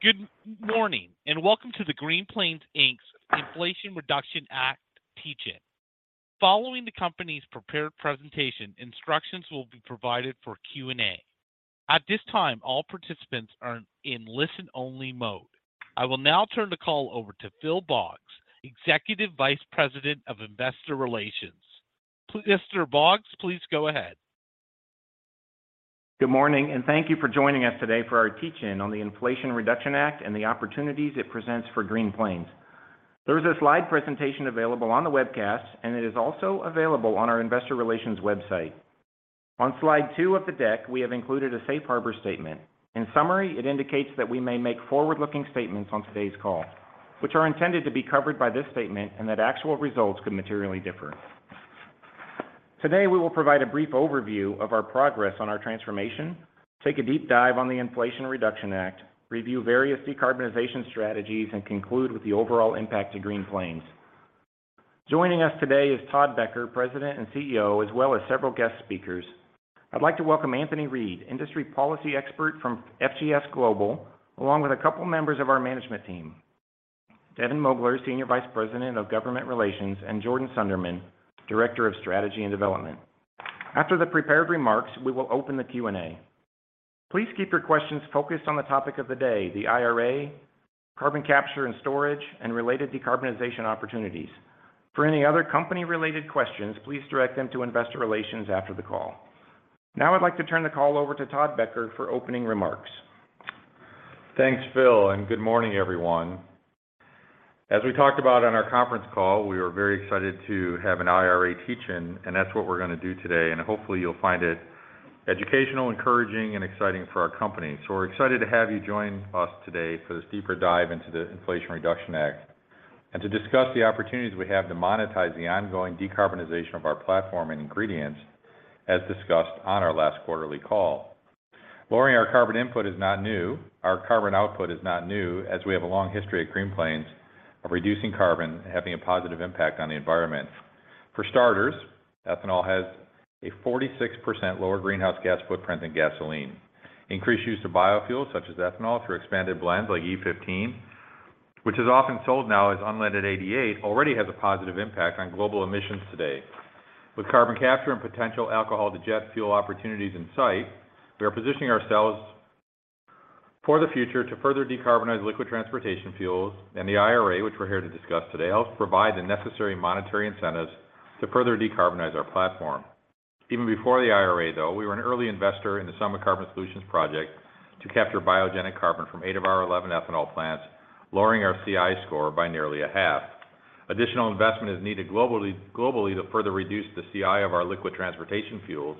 Good morning, welcome to Green Plains Inc's Inflation Reduction Act Teach-In. Following the company's prepared presentation, instructions will be provided for Q&A. At this time, all participants are in listen-only mode. I will now turn the call over to Phil Boggs, Executive Vice President of Investor Relations. Mr. Boggs, please go ahead. Good morning. Thank you for joining us today for our teach-in on the Inflation Reduction Act and the opportunities it presents for Green Plains. There's a slide presentation available on the webcast. It is also available on our investor relations website. On slide two of the deck, we have included a safe harbor statement. In summary, it indicates that we may make forward-looking statements on today's call, which are intended to be covered by this statement. Actual results could materially differ. Today, we will provide a brief overview of our progress on our transformation, take a deep dive on the Inflation Reduction Act, review various decarbonization strategies. Conclude with the overall impact to Green Plains. Joining us today is Todd Becker, President and CEO, as well as several guest speakers. I'd like to welcome Anthony Reed, Industry Policy Expert from FGS Global, along with a couple members of our management team, Devin Mogler, Senior Vice President of Government Relations, and Jordan Sunderman, Director of Strategy and Development. After the prepared remarks, we will open the Q&A. Please keep your questions focused on the topic of the day, the IRA, carbon capture and storage, and related decarbonization opportunities. For any other company-related questions, please direct them to investor relations after the call. I'd like to turn the call over to Todd Becker for opening remarks. Thanks, Phil. Good morning, everyone. As we talked about on our conference call, we are very excited to have an IRA teach-in, and that's what we're going to do today, and hopefully you'll find it educational, encouraging, and exciting for our company. We're excited to have you join us today for this deeper dive into the Inflation Reduction Act, and to discuss the opportunities we have to monetize the ongoing decarbonization of our platform and ingredients, as discussed on our last quarterly call. Lowering our carbon input is not new. Our carbon output is not new, as we have a long history at Green Plains of reducing carbon and having a positive impact on the environment. For starters, ethanol has a 46% lower greenhouse gas footprint than gasoline. Increased use of biofuels, such as ethanol through expanded blends like E15, which is often sold now as Unleaded 88, already has a positive impact on global emissions today. With carbon capture and potential alcohol to jet fuel opportunities in sight, we are positioning ourselves for the future to further decarbonize liquid transportation fuels. The IRA, which we're here to discuss today, helps provide the necessary monetary incentives to further decarbonize our platform. Even before the IRA, though, we were an early investor in the Summit Carbon Solutions project to capture biogenic carbon from eight of our 11 ethanol plants, lowering our CI score by nearly a half. Additional investment is needed globally to further reduce the CI of our liquid transportation fuels,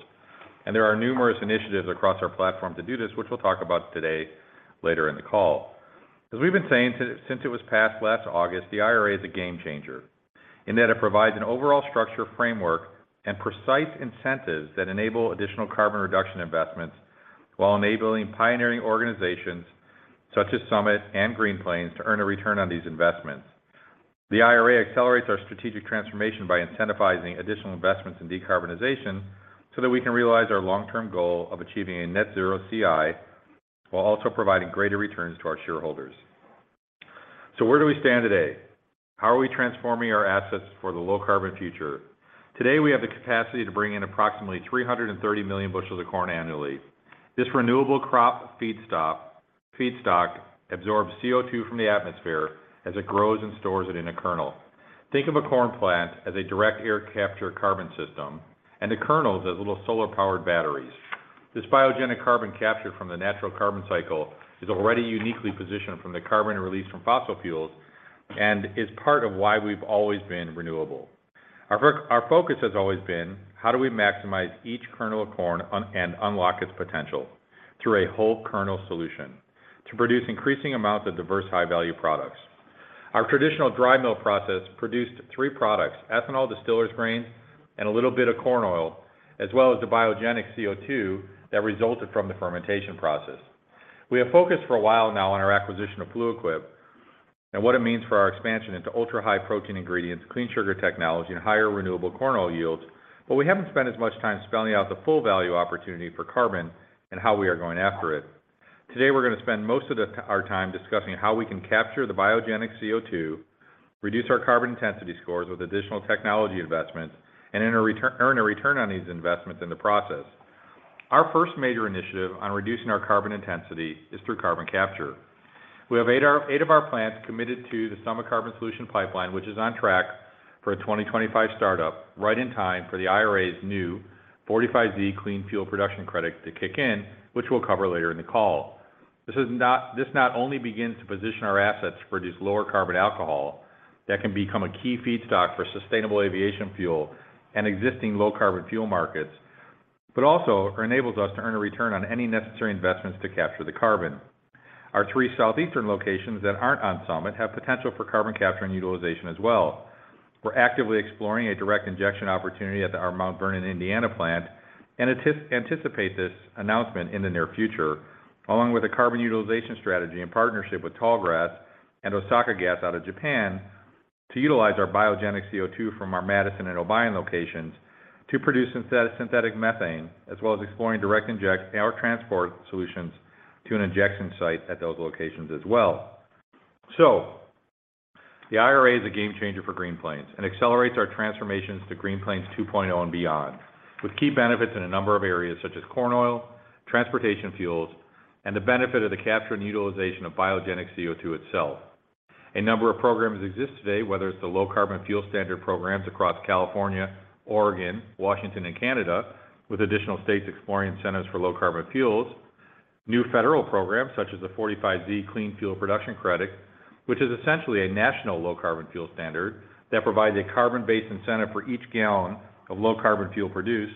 and there are numerous initiatives across our platform to do this, which we'll talk about today later in the call. As we've been saying since it was passed last August, the IRA is a game changer in that it provides an overall structure, framework, and precise incentives that enable additional carbon reduction investments while enabling pioneering organizations, such as Summit and Green Plains, to earn a return on these investments. The IRA accelerates our strategic transformation by incentivizing additional investments in decarbonization so that we can realize our long-term goal of achieving a net zero CI, while also providing greater returns to our shareholders. Where do we stand today? How are we transforming our assets for the low-carbon future? Today, we have the capacity to bring in approximately 330 million bushels of corn annually. This renewable crop feedstock absorbs CO₂ from the atmosphere as it grows and stores it in a kernel. Think of a corn plant as a direct air capture carbon system, and the kernels as little solar-powered batteries. This biogenic carbon capture from the natural carbon cycle is already uniquely positioned from the carbon released from fossil fuels and is part of why we've always been renewable. Our focus has always been: how do we maximize each kernel of corn and unlock its potential through a whole kernel solution to produce increasing amounts of diverse, high-value products? Our traditional dry mill process produced three products: ethanol, distillers' grains, and a little bit of corn oil, as well as the biogenic CO₂ that resulted from the fermentation process. We have focused for a while now on our acquisition of FluQuip and what it means for our expansion into ultra-high protein ingredients, clean sugar technology, and higher renewable corn oil yields. We haven't spent as much time spelling out the full value opportunity for carbon and how we are going after it. Today, we're going to spend most of our time discussing how we can capture the biogenic CO₂, reduce our carbon intensity scores with additional technology investments, and earn a return on these investments in the process. Our first major initiative on reducing our carbon intensity is through carbon capture. We have eight of our plants committed to the Summit Carbon Solutions pipeline, which is on track for a 2025 startup, right in time for the IRA's new 45Z Clean Fuel Production Credit to kick in, which we'll cover later in the call. This not only begins to position our assets to produce lower carbon alcohol that can become a key feedstock for sustainable aviation fuel and existing low-carbon fuel markets, but also enables us to earn a return on any necessary investments to capture the carbon. Our three southeastern locations that aren't on Summit have potential for carbon capture and utilization as well. We're actively exploring a direct injection opportunity at our Mount Vernon, Indiana plant and anticipate this announcement in the near future, along with a carbon utilization strategy and partnership with Tallgrass and Osaka Gas out of Japan, to utilize our biogenic CO₂ from our Madison and Obion locations to produce synthetic methane, as well as exploring direct inject or transport solutions to an injection site at those locations as well. The IRA is a game changer for Green Plains, and accelerates our transformations to Green Plains 2.0 and beyond, with key benefits in a number of areas, such as corn oil, transportation fuels, and the benefit of the capture and utilization of biogenic CO₂ itself. A number of programs exist today, whether it's the low carbon fuel standard programs across California, Oregon, Washington, and Canada, with additional states exploring incentives for low carbon fuels. New federal programs, such as the 45Z Clean Fuel Production Credit, which is essentially a national low carbon fuel standard that provides a carbon-based incentive for each gallon of low carbon fuel produced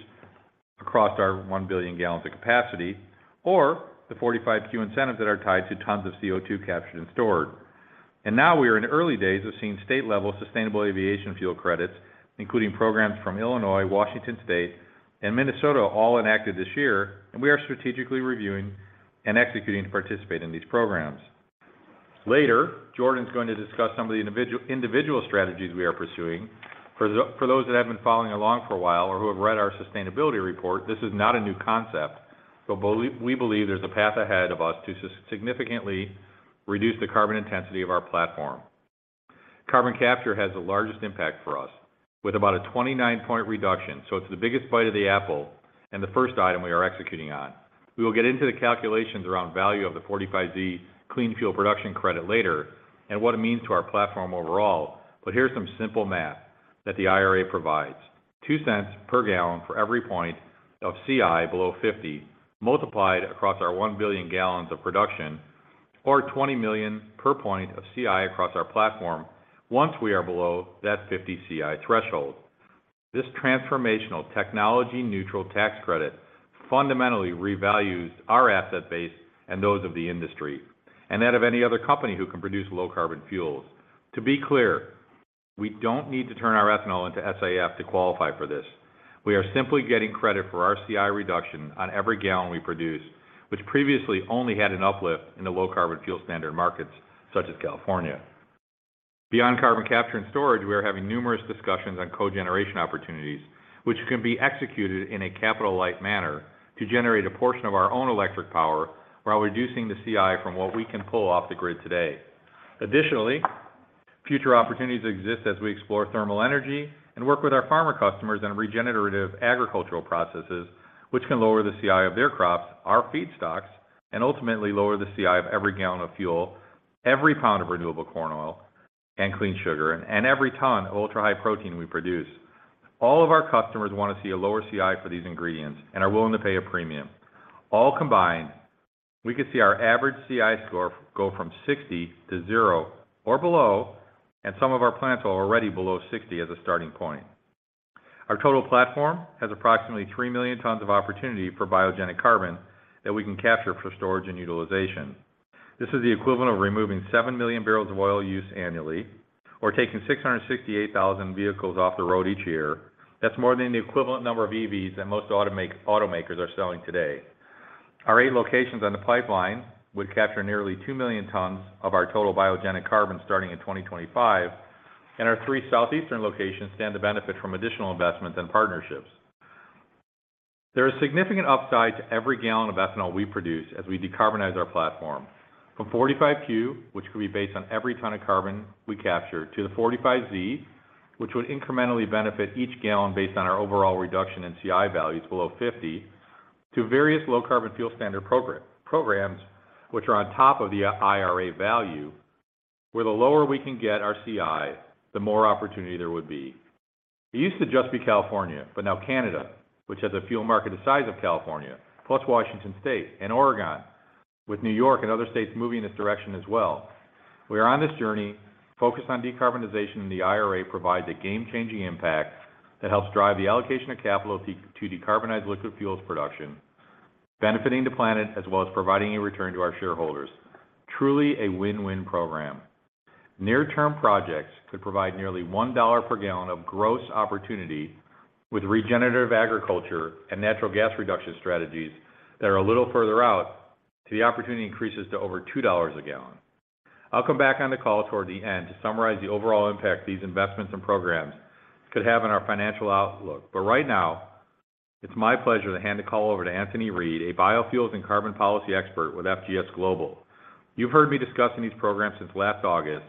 across our 1 billion gallons of capacity, or the 45Q incentives that are tied to tons of CO₂ captured and stored. Now we are in the early days of seeing state-level sustainable aviation fuel credits, including programs from Illinois, Washington State, and Minnesota, all enacted this year, and we are strategically reviewing and executing to participate in these programs. Later, Jordan's going to discuss some of the individual strategies we are pursuing. For those that have been following along for a while or who have read our sustainability report, this is not a new concept. We believe there's a path ahead of us to significantly reduce the carbon intensity of our platform. Carbon capture has the largest impact for us, with about a 29 point reduction. It's the biggest bite of the apple and the first item we are executing on. We will get into the calculations around value of the 45Z Clean Fuel Production Credit later, and what it means to our platform overall. Here's some simple math that the IRA provides: $0.02 per gallon for every point of CI below 50, multiplied across our 1 billion gallons of production, or $20 million per point of CI across our platform once we are below that 50 CI threshold. This transformational technology, neutral tax credit, fundamentally revalues our asset base and those of the industry, and that of any other company who can produce low carbon fuels. To be clear, we don't need to turn our ethanol into SAF to qualify for this. We are simply getting credit for our CI reduction on every gallon we produce, which previously only had an uplift in the low carbon fuel standard markets, such as California. Beyond carbon capture and storage, we are having numerous discussions on cogeneration opportunities, which can be executed in a capital-light manner to generate a portion of our own electric power while reducing the CI from what we can pull off the grid today. Additionally, future opportunities exist as we explore thermal energy and work with our farmer customers on regenerative agricultural processes, which can lower the CI of their crops, our feedstocks, and ultimately lower the CI of every gallon of fuel, every pound of renewable corn oil and clean sugar, and every ton of ultra-high protein we produce. All of our customers want to see a lower CI for these ingredients and are willing to pay a premium. All combined, we could see our average CI score go from 60 to zero or below, and some of our plants are already below 60 as a starting point. Our total platform has approximately 3 million tons of opportunity for biogenic carbon that we can capture for storage and utilization. This is the equivalent of removing 7 million barrels of oil use annually or taking 668,000 vehicles off the road each year. That's more than the equivalent number of EVs that most automakers are selling today. Our eight locations on the pipeline would capture nearly 2 million tons of our total biogenic carbon starting in 2025, and our three southeastern locations stand to benefit from additional investments and partnerships. There is significant upside to every gallon of ethanol we produce as we decarbonize our platform. From 45Q, which could be based on every ton of carbon we capture, to the 45Z, which would incrementally benefit each gallon based on our overall reduction in CI values below 50, to various low carbon fuel standard programs, which are on top of the IRA value, where the lower we can get our CI, the more opportunity there would be. Now Canada, which has a fuel market the size of California, plus Washington State and Oregon, with New York and other states moving in this direction as well. We are on this journey focused on decarbonization, The IRA provides a game-changing impact that helps drive the allocation of capital to decarbonize liquid fuels production, benefiting the planet, as well as providing a return to our shareholders. Truly a win-win program. Near-term projects could provide nearly $1 per gallon of gross opportunity, with regenerative agriculture and natural gas reduction strategies that are a little further out, the opportunity increases to over $2 a gallon. I'll come back on the call toward the end to summarize the overall impact these investments and programs could have on our financial outlook. Right now, it's my pleasure to hand the call over to Anthony Reed, a biofuels and carbon policy expert with FGS Global. You've heard me discussing these programs since last August,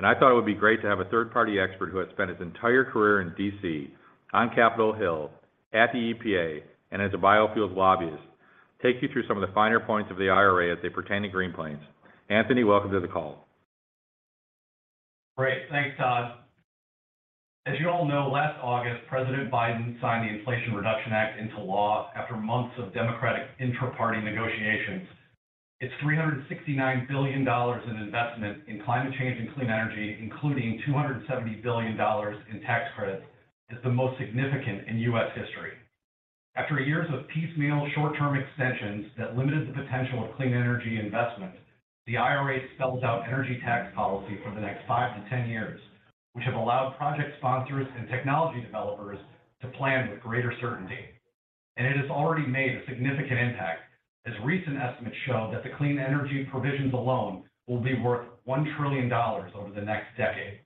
I thought it would be great to have a third-party expert who has spent his entire career in D.C., on Capitol Hill, at the EPA, and as a biofuels lobbyist, take you through some of the finer points of the IRA as they pertain to Green Plains. Anthony, welcome to the call. Great. Thanks, Todd. As you all know, last August, President Biden signed the Inflation Reduction Act into law after months of Democratic intraparty negotiations. Its $369 billion in investment in climate change and clean energy, including $270 billion in tax credits, is the most significant in U.S. history. After years of piecemeal, short-term extensions that limited the potential of clean energy investment, the IRA spells out energy tax policy for the next 5-10 years, which project sponsors and technology developers to plan with greater certainty. It has already made a significant impact, as recent estimates show that the clean energy provisions alone will be worth $1 trillion over the next decade.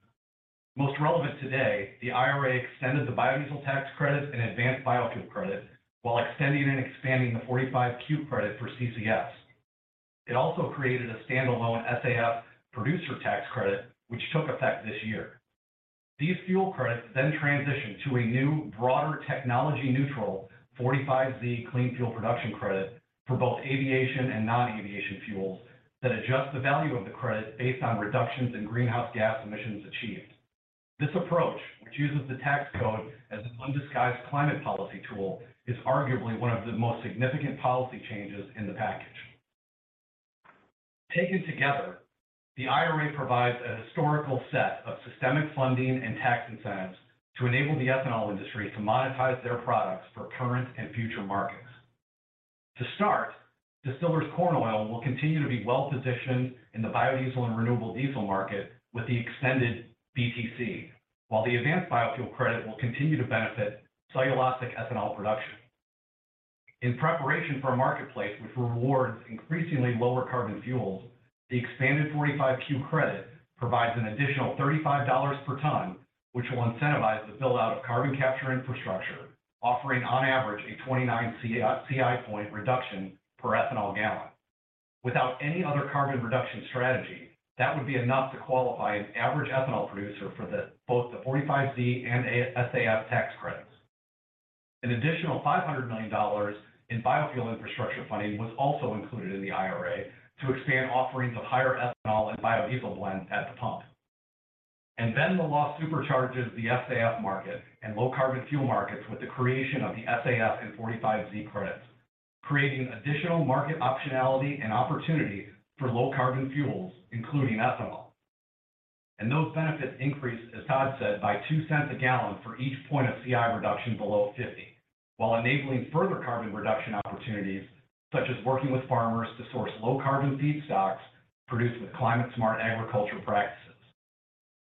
Most relevant today, the IRA extended the biodiesel tax credit and advanced biofuel credit, while extending and expanding the 45Q credit for CCS. It also created a standalone SAF producer tax credit, which took effect this year. These fuel credits transition to a new, broader technology-neutral 45Z clean fuel production credit for both aviation and non-aviation fuels, that adjust the value of the credit based on reductions in greenhouse gas emissions achieved. This approach, which uses the tax code as an undisguised climate policy tool, is arguably one of the most significant policy changes in the package. Taken together, the IRA provides a historical set of systemic funding and tax incentives to enable the ethanol industry to monetize their products for current and future markets. To start, distillers' corn oil will continue to be well-positioned in the biodiesel and renewable diesel market with the extended BTC, while the advanced biofuel credit will continue to benefit cellulosic ethanol production. In preparation for a marketplace which rewards increasingly lower carbon fuels, the expanded 45Q credit provides an additional $35 per ton, which will incentivize the build-out of carbon capture infrastructure, offering, on average, a 29 CI point reduction per ethanol gallon. Without any other carbon reduction strategy, that would be enough to qualify an average ethanol producer for the, both the 45Z and SAF tax credits. An additional $500 million in biofuel infrastructure funding was also included in the IRA to expand offerings of higher ethanol and biodiesel blends at the pump. The law supercharges the SAF market and low-carbon fuel markets with the creation of the SAF and 45Z credits, creating additional market optionality and opportunities for low-carbon fuels, including ethanol. Those benefits increase, as Todd said, by $0.02 a gallon for each point of CI reduction below 50, while enabling further carbon reduction opportunities, such as working with farmers to source low-carbon feedstocks produced with climate-smart agriculture practices.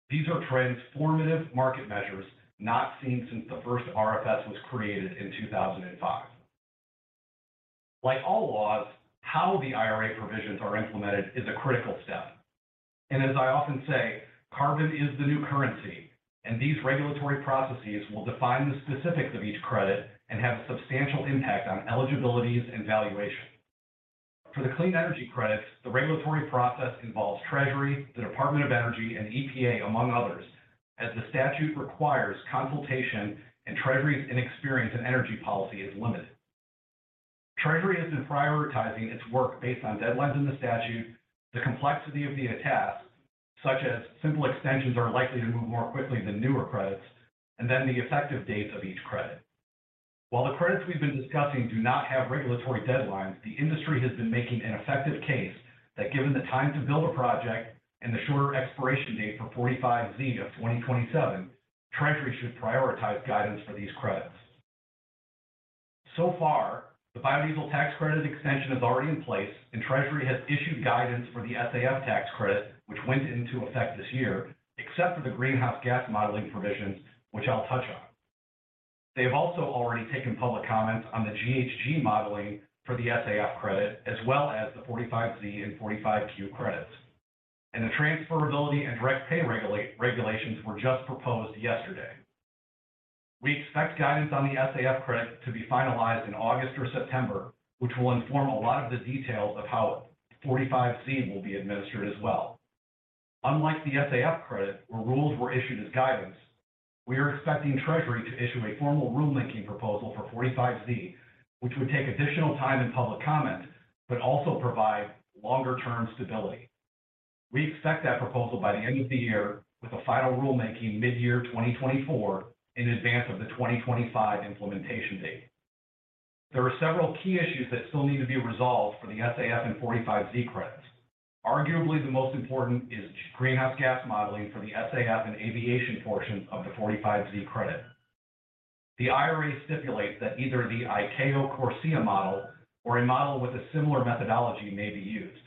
These are transformative market measures not seen since the first RFS was created in 2005. Like all laws, how the IRA provisions are implemented is a critical step. As I often say, carbon is the new currency, and these regulatory processes will define the specifics of each credit and have a substantial impact on eligibilities and valuation. For the clean energy credits, the regulatory process involves Treasury, the Department of Energy, and EPA, among others, as the statute requires consultation, and Treasury's inexperience in energy policy is limited. Treasury has been prioritizing its work based on deadlines in the statute, the complexity of the task, such as simple extensions are likely to move more quickly than newer credits, and then the effective dates of each credit. While the credits we've been discussing do not have regulatory deadlines, the industry has been making an effective case that given the time to build a project and the shorter expiration date for 45Z of 2027, Treasury should prioritize guidance for these credits. So far, the biodiesel tax credit extension is already in place, and Treasury has issued guidance for the SAF tax credit, which went into effect this year, except for the greenhouse gas modeling provisions, which I'll touch on. They have also already taken public comments on the GHG modeling for the SAF credit, as well as the 45Z and 45Q credits. The transferability and direct pay regulations were just proposed yesterday. We expect guidance on the SAF credit to be finalized in August or September, which will inform a lot of the details of how 45Z will be administered as well. Unlike the SAF credit, where rules were issued as guidance, we are expecting Treasury to issue a formal rulemaking proposal for 45Z, which would take additional time and public comment, but also provide longer-term stability. We expect that proposal by the end of the year, with a final rulemaking midyear 2024 in advance of the 2025 implementation date. There are several key issues that still need to be resolved for the SAF and 45Z credits. Arguably, the most important is greenhouse gas modeling for the SAF and aviation portion of the 45Z credit. The IRA stipulates that either the ICAO CORSIA model or a model with a similar methodology may be used.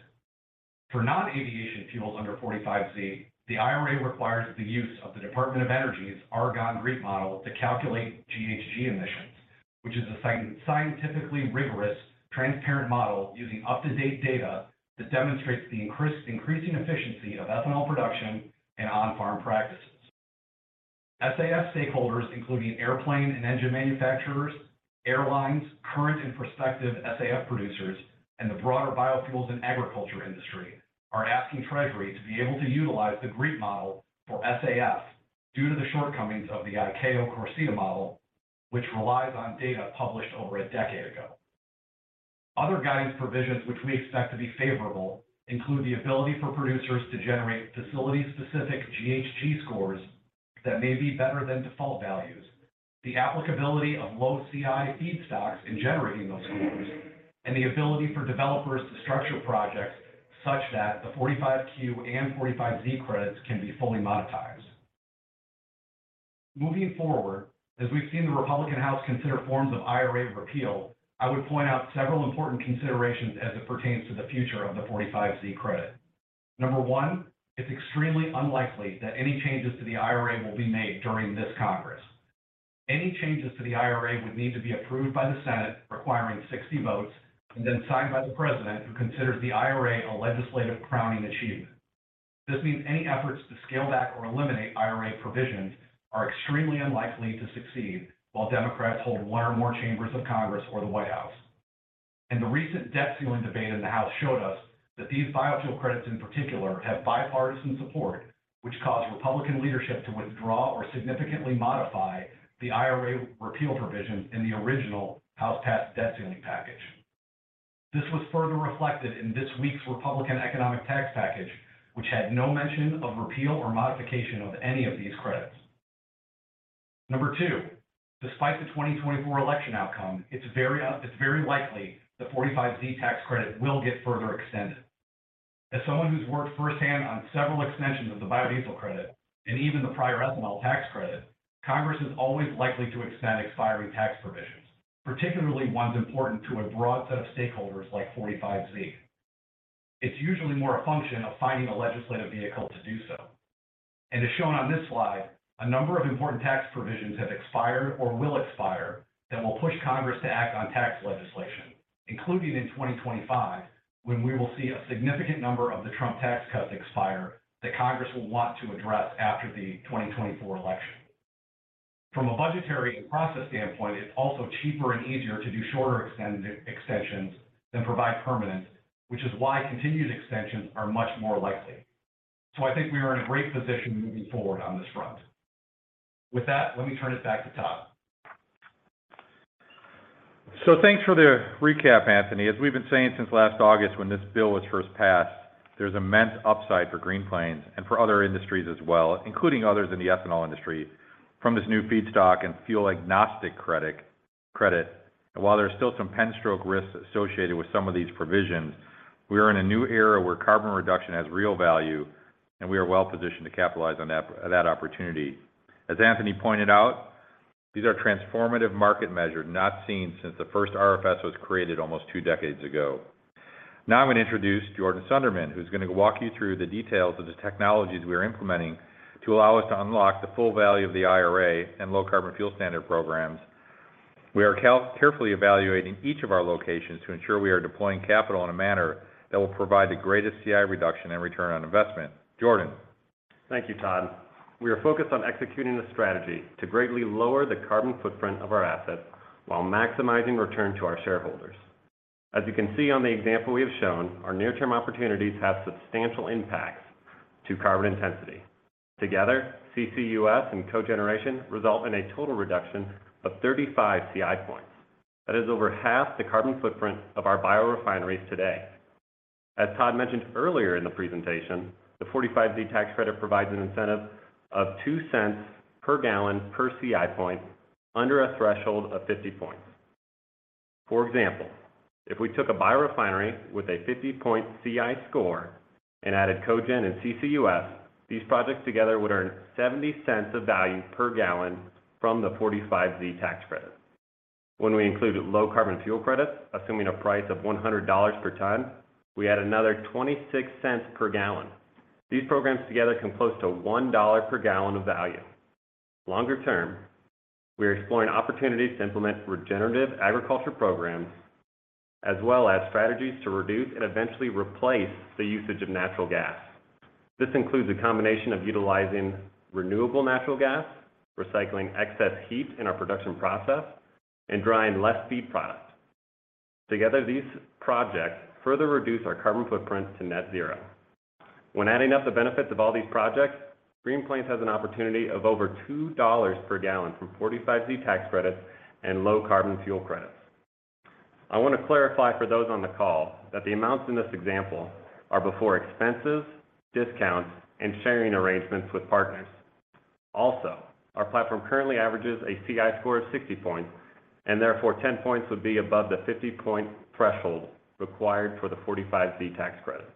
For non-aviation fuels under 45Z, the IRA requires the use of the Department of Energy's Argonne GREET model to calculate GHG emissions, which is a scientifically rigorous, transparent model using up-to-date data that demonstrates the increasing efficiency of ethanol production and on-farm practices. SAF stakeholders, including airplane and engine manufacturers, airlines, current and prospective SAF producers, and the broader biofuels and agriculture industry, are asking Treasury to be able to utilize the GREET model for SAF due to the shortcomings of the ICAO CORSIA model, which relies on data published over a decade ago. Other guidance provisions, which we expect to be favorable, include the ability for producers to generate facility-specific GHG scores that may be better than default values, the applicability of low CI feedstocks in generating those scores, and the ability for developers to structure projects such that the 45Q and 45Z credits can be fully monetized. Moving forward, as we've seen the Republican House consider forms of IRA repeal, I would point out several important considerations as it pertains to the future of the 45Z credit. Number one, it's extremely unlikely that any changes to the IRA will be made during this Congress. Any changes to the IRA would need to be approved by the Senate, requiring 60 votes, and then signed by the President, who considers the IRA a legislative crowning achievement. This means any efforts to scale back or eliminate IRA provisions are extremely unlikely to succeed while Democrats hold one or more chambers of Congress or the White House. The recent debt ceiling debate in the House showed us that these biofuel credits, in particular, have bipartisan support, which caused Republican leadership to withdraw or significantly modify the IRA repeal provision in the original House-passed debt ceiling package. This was further reflected in this week's Republican economic tax package, which had no mention of repeal or modification of any of these credits. Number two, despite the 2024 election outcome, it's very likely the 45Z tax credit will get further extended. As someone who's worked firsthand on several extensions of the biodiesel credit and even the prior ethanol tax credit, Congress is always likely to extend expiring tax provisions, particularly ones important to a broad set of stakeholders like 45Z. It's usually more a function of finding a legislative vehicle to do so. As shown on this slide, a number of important tax provisions have expired or will expire that will push Congress to act on tax legislation, including in 2025, when we will see a significant number of the Trump tax cuts expire that Congress will want to address after the 2024 election. From a budgetary and process standpoint, it's also cheaper and easier to do shorter extensions than provide permanence, which is why continued extensions are much more likely. I think we are in a great position moving forward on this front. With that, let me turn it back to Todd. Thanks for the recap, Anthony. As we've been saying since last August when this bill was first passed, there's immense upside for Green Plains and for other industries as well, including others in the ethanol industry, from this new feedstock and fuel-agnostic credit. While there's still some pen stroke risks associated with some of these provisions, we are in a new era where carbon reduction has real value, and we are well-positioned to capitalize on that opportunity. As Anthony pointed out, these are transformative market measures not seen since the first RFS was created almost two decades ago. I'm going to introduce Jordan Sunderman, who's going to walk you through the details of the technologies we are implementing to allow us to unlock the full value of the IRA and low carbon fuel standard programs. We are carefully evaluating each of our locations to ensure we are deploying capital in a manner that will provide the greatest CI reduction and return on investment. Jordan? Thank you, Todd. We are focused on executing a strategy to greatly lower the carbon footprint of our assets while maximizing return to our shareholders. As you can see on the example we have shown, our near-term opportunities have substantial impacts to carbon intensity. Together, CCUS and cogeneration result in a total reduction of 35 CI points. That is over half the carbon footprint of our biorefineries today. As Todd mentioned earlier in the presentation, the 45Z tax credit provides an incentive of $0.02 per gallon per CI point under a threshold of 50 points. For example, if we took a biorefinery with a 50-point CI score and added cogen and CCUS, these projects together would earn $0.70 of value per gallon from the 45Z tax credit. When we included low carbon fuel credits, assuming a price of $100 per ton, we add another $0.26 per gallon. These programs together come close to $1 per gallon of value. Longer term, we are exploring opportunities to implement regenerative agriculture programs, as well as strategies to reduce and eventually replace the usage of natural gas. This includes a combination of utilizing renewable natural gas, recycling excess heat in our production process, and drying less feed product. Together, these projects further reduce our carbon footprint to net zero. When adding up the benefits of all these projects, Green Plains has an opportunity of over $2 per gallon from 45Z tax credits and low carbon fuel credits. I want to clarify for those on the call that the amounts in this example are before expenses, discounts, and sharing arrangements with partners. Our platform currently averages a CI score of 60 points, and therefore, 10 points would be above the 50-point threshold required for the 45Z tax credit.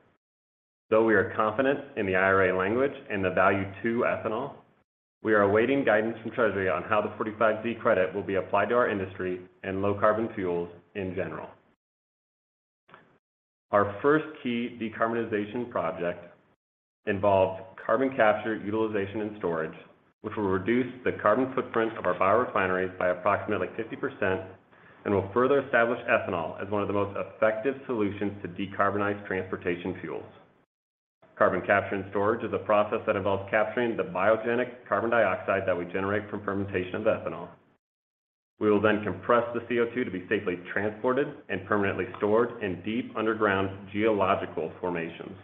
Though we are confident in the IRA language and the value to ethanol, we are awaiting guidance from Treasury on how the 45Z credit will be applied to our industry and low carbon fuels in general. Our first key decarbonization project involves carbon capture, utilization, and storage, which will reduce the carbon footprint of our biorefineries by approximately 50% and will further establish ethanol as one of the most effective solutions to decarbonize transportation fuels. Carbon capture and storage is a process that involves capturing the biogenic carbon dioxide that we generate from fermentation of ethanol. We will then compress the CO₂ to be safely transported and permanently stored in deep underground geological formations.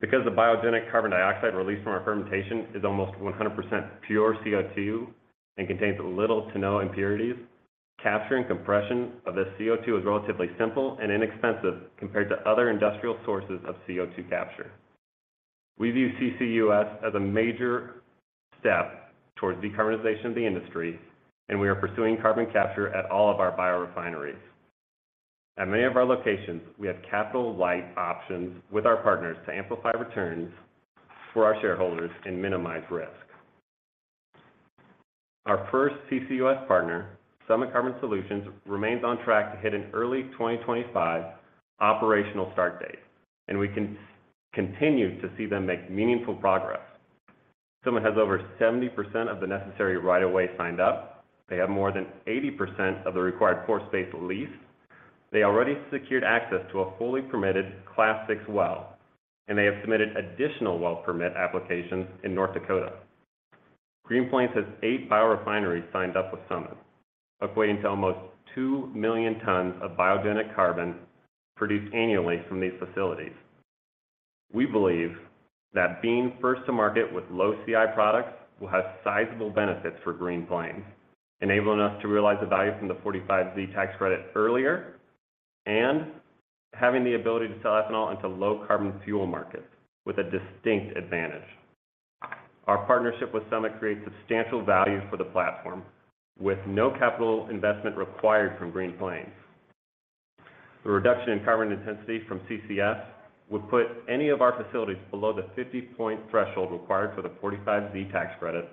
Because the biogenic carbon dioxide released from our fermentation is almost 100% pure CO₂, and contains little to no impurities, capturing compression of this CO₂ is relatively simple and inexpensive compared to other industrial sources of CO₂ capture. We view CCUS as a major step towards decarbonization of the industry, and we are pursuing carbon capture at all of our biorefineries. At many of our locations, we have capital-light options with our partners to amplify returns for our shareholders and minimize risk. Our first CCUS partner, Summit Carbon Solutions, remains on track to hit an early 2025 operational start date, and we can continue to see them make meaningful progress. Summit has over 70% of the necessary right-of-way signed up. They have more than 80% of the required port space leased. They already secured access to a fully permitted Class VI well. They have submitted additional well permit applications in North Dakota. Green Plains has eight biorefineries signed up with Summit, equating to almost 2 million tons of biogenic carbon produced annually from these facilities. We believe that being first to market with low CI products will have sizable benefits for Green Plains, enabling us to realize the value from the 45Z tax credit earlier. Having the ability to sell ethanol into low-carbon fuel markets with a distinct advantage. Our partnership with Summit creates substantial value for the platform, with no capital investment required from Green Plains. The reduction in carbon intensity from CCS would put any of our facilities below the 50-point threshold required for the 45Z tax credit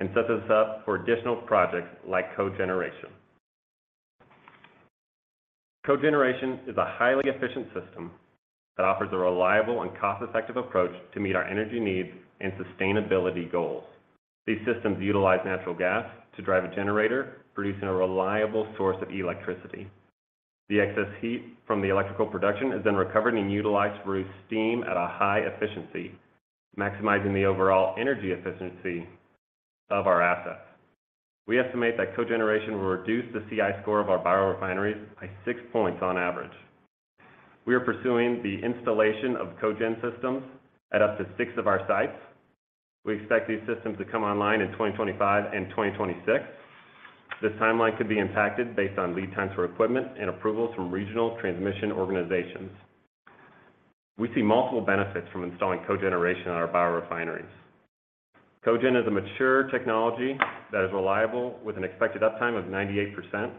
and sets us up for additional projects like cogeneration. Cogeneration is a highly efficient system that offers a reliable and cost-effective approach to meet our energy needs and sustainability goals. These systems utilize natural gas to drive a generator, producing a reliable source of electricity. The excess heat from the electrical production is then recovered and utilized to produce steam at a high efficiency, maximizing the overall energy efficiency of our assets. We estimate that cogeneration will reduce the CI score of our biorefineries by six points on average. We are pursuing the installation of cogen systems at up to six of our sites. We expect these systems to come online in 2025 and 2026. This timeline could be impacted based on lead times for equipment and approvals from regional transmission organizations. We see multiple benefits from installing cogeneration on our biorefineries. Cogen is a mature technology that is reliable, with an expected uptime of 98%,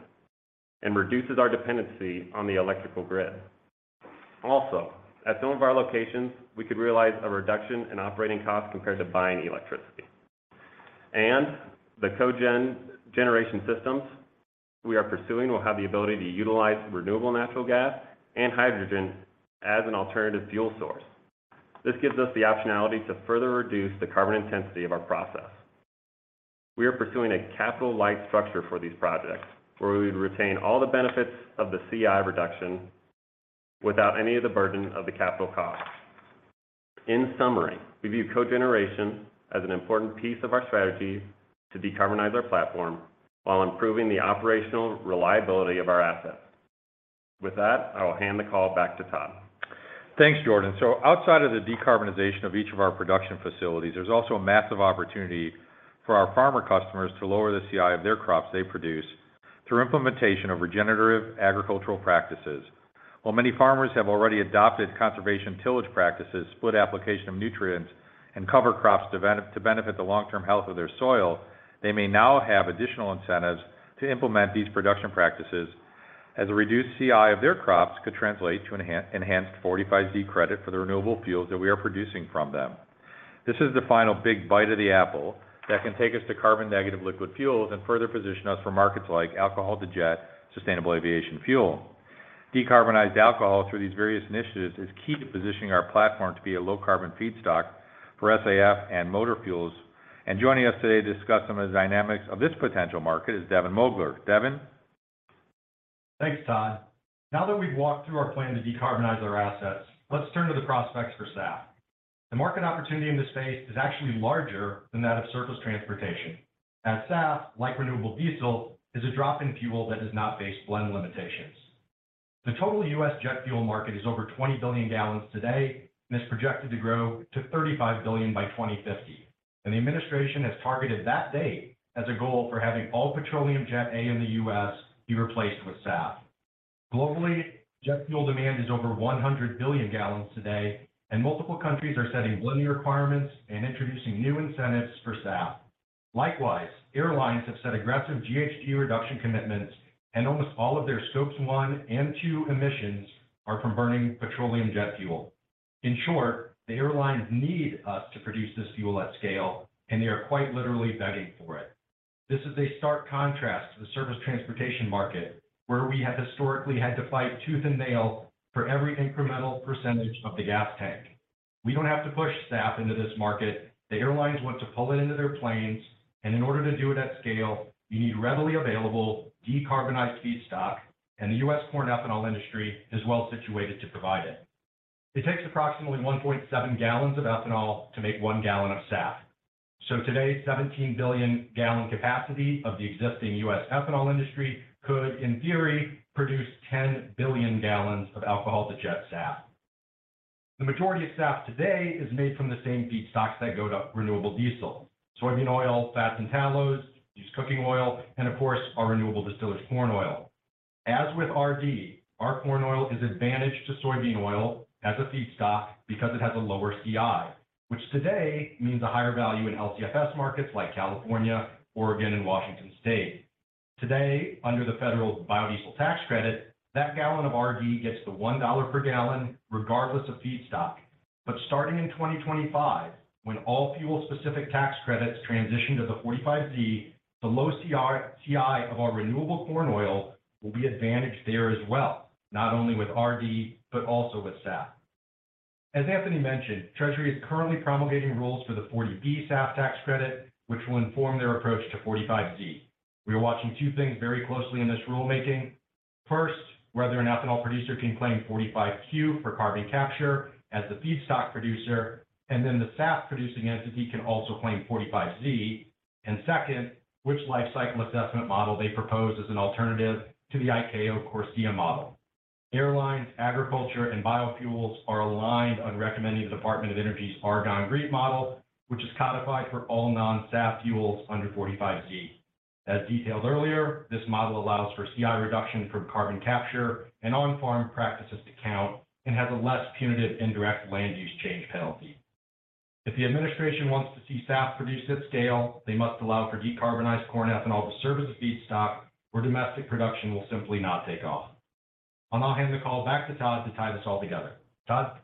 and reduces our dependency on the electrical grid. Also, at some of our locations, we could realize a reduction in operating costs compared to buying electricity. The cogen generation systems we are pursuing will have the ability to utilize renewable natural gas and hydrogen as an alternative fuel source. This gives us the optionality to further reduce the carbon intensity of our process. We are pursuing a capital-light structure for these projects, where we would retain all the benefits of the CI reduction without any of the burden of the capital costs. In summary, we view cogeneration as an important piece of our strategy to decarbonize our platform while improving the operational reliability of our assets. With that, I will hand the call back to Todd. Outside of the decarbonization of each of our production facilities, there's also a massive opportunity for our farmer customers to lower the CI of their crops they produce through implementation of regenerative agricultural practices. While many farmers have already adopted conservation tillage practices, split application of nutrients, and cover crops to benefit the long-term health of their soil, they may now have additional incentives to implement these production practices as a reduced CI of their crops could translate to enhanced 45Z credit for the renewable fuels that we are producing from them. This is the final big bite of the apple that can take us to carbon-negative liquid fuels and further position us for markets like alcohol to jet, sustainable aviation fuel. Decarbonized alcohol through these various initiatives is key to positioning our platform to be a low-carbon feedstock for SAF and motor fuels. Joining us today to discuss some of the dynamics of this potential market is Devin Mogler. Devin? Thanks, Todd. Now that we've walked through our plan to decarbonize our assets, let's turn to the prospects for SAF. The market opportunity in this space is actually larger than that of surface transportation. As SAF, like renewable diesel, is a drop-in fuel that does not face blend limitations. The total U.S. jet fuel market is over 20 billion gallons today, and is projected to grow to 35 billion by 2050, and the administration has targeted that date as a goal for having all petroleum Jet A in the U.S. be replaced with SAF. Globally, jet fuel demand is over 100 billion gallons today, and multiple countries are setting blending requirements and introducing new incentives for SAF. Likewise, airlines have set aggressive GHG reduction commitments, almost all of their scopes one and two emissions are from burning petroleum jet fuel. In short, the airlines need us to produce this fuel at scale, they are quite literally begging for it. This is a stark contrast to the service transportation market, where we have historically had to fight tooth and nail for every incremental percentage of the gas tank. We don't have to push SAF into this market. The airlines want to pull it into their planes, and in order to do it at scale, you need readily available, decarbonized feedstock, and the U.S. corn ethanol industry is well-situated to provide it. It takes approximately 1.7 gal of ethanol to make one gallon of SAF. Today, 17 billion gallon capacity of the existing U.S. ethanol industry could, in theory, produce 10 billion gallons of alcohol to jet SAF. The majority of SAF today is made from the same feedstocks that go to renewable diesel, soybean oil, fats and tallows, used cooking oil, and of course, our renewable distillers corn oil. As with RD, our corn oil is advantaged to soybean oil as a feedstock because it has a lower CI, which today means a higher value in LCFS markets like California, Oregon, and Washington State. Today, under the federal biodiesel tax credit, that gallon of RD gets the $1 per gallon regardless of feedstock. Starting in 2025, when all fuel-specific tax credits transition to the 45Z, the low CI of our renewable corn oil will be advantaged there as well, not only with RD, but also with SAF. As Anthony mentioned, Treasury is currently promulgating rules for the 45Z SAF tax credit, which will inform their approach to 45Z. We are watching two things very closely in this rulemaking. First, whether an ethanol producer can claim 45Q for carbon capture as the feedstock producer, then the SAF producing entity can also claim 45Z. Second, which lifecycle assessment model they propose as an alternative to the ICAO CORSIA model. Airlines, agriculture, and biofuels are aligned on recommending the Department of Energy's Argonne GREET model, which is codified for all non-SAF fuels under 45Z. As detailed earlier, this model allows for CI reduction from carbon capture and on-farm practices to count, has a less punitive indirect land use change penalty. If the administration wants to see SAF produced at scale, they must allow for decarbonized corn ethanol to serve as a feedstock, or domestic production will simply not take off. I'll now hand the call back to Todd to tie this all together. Todd?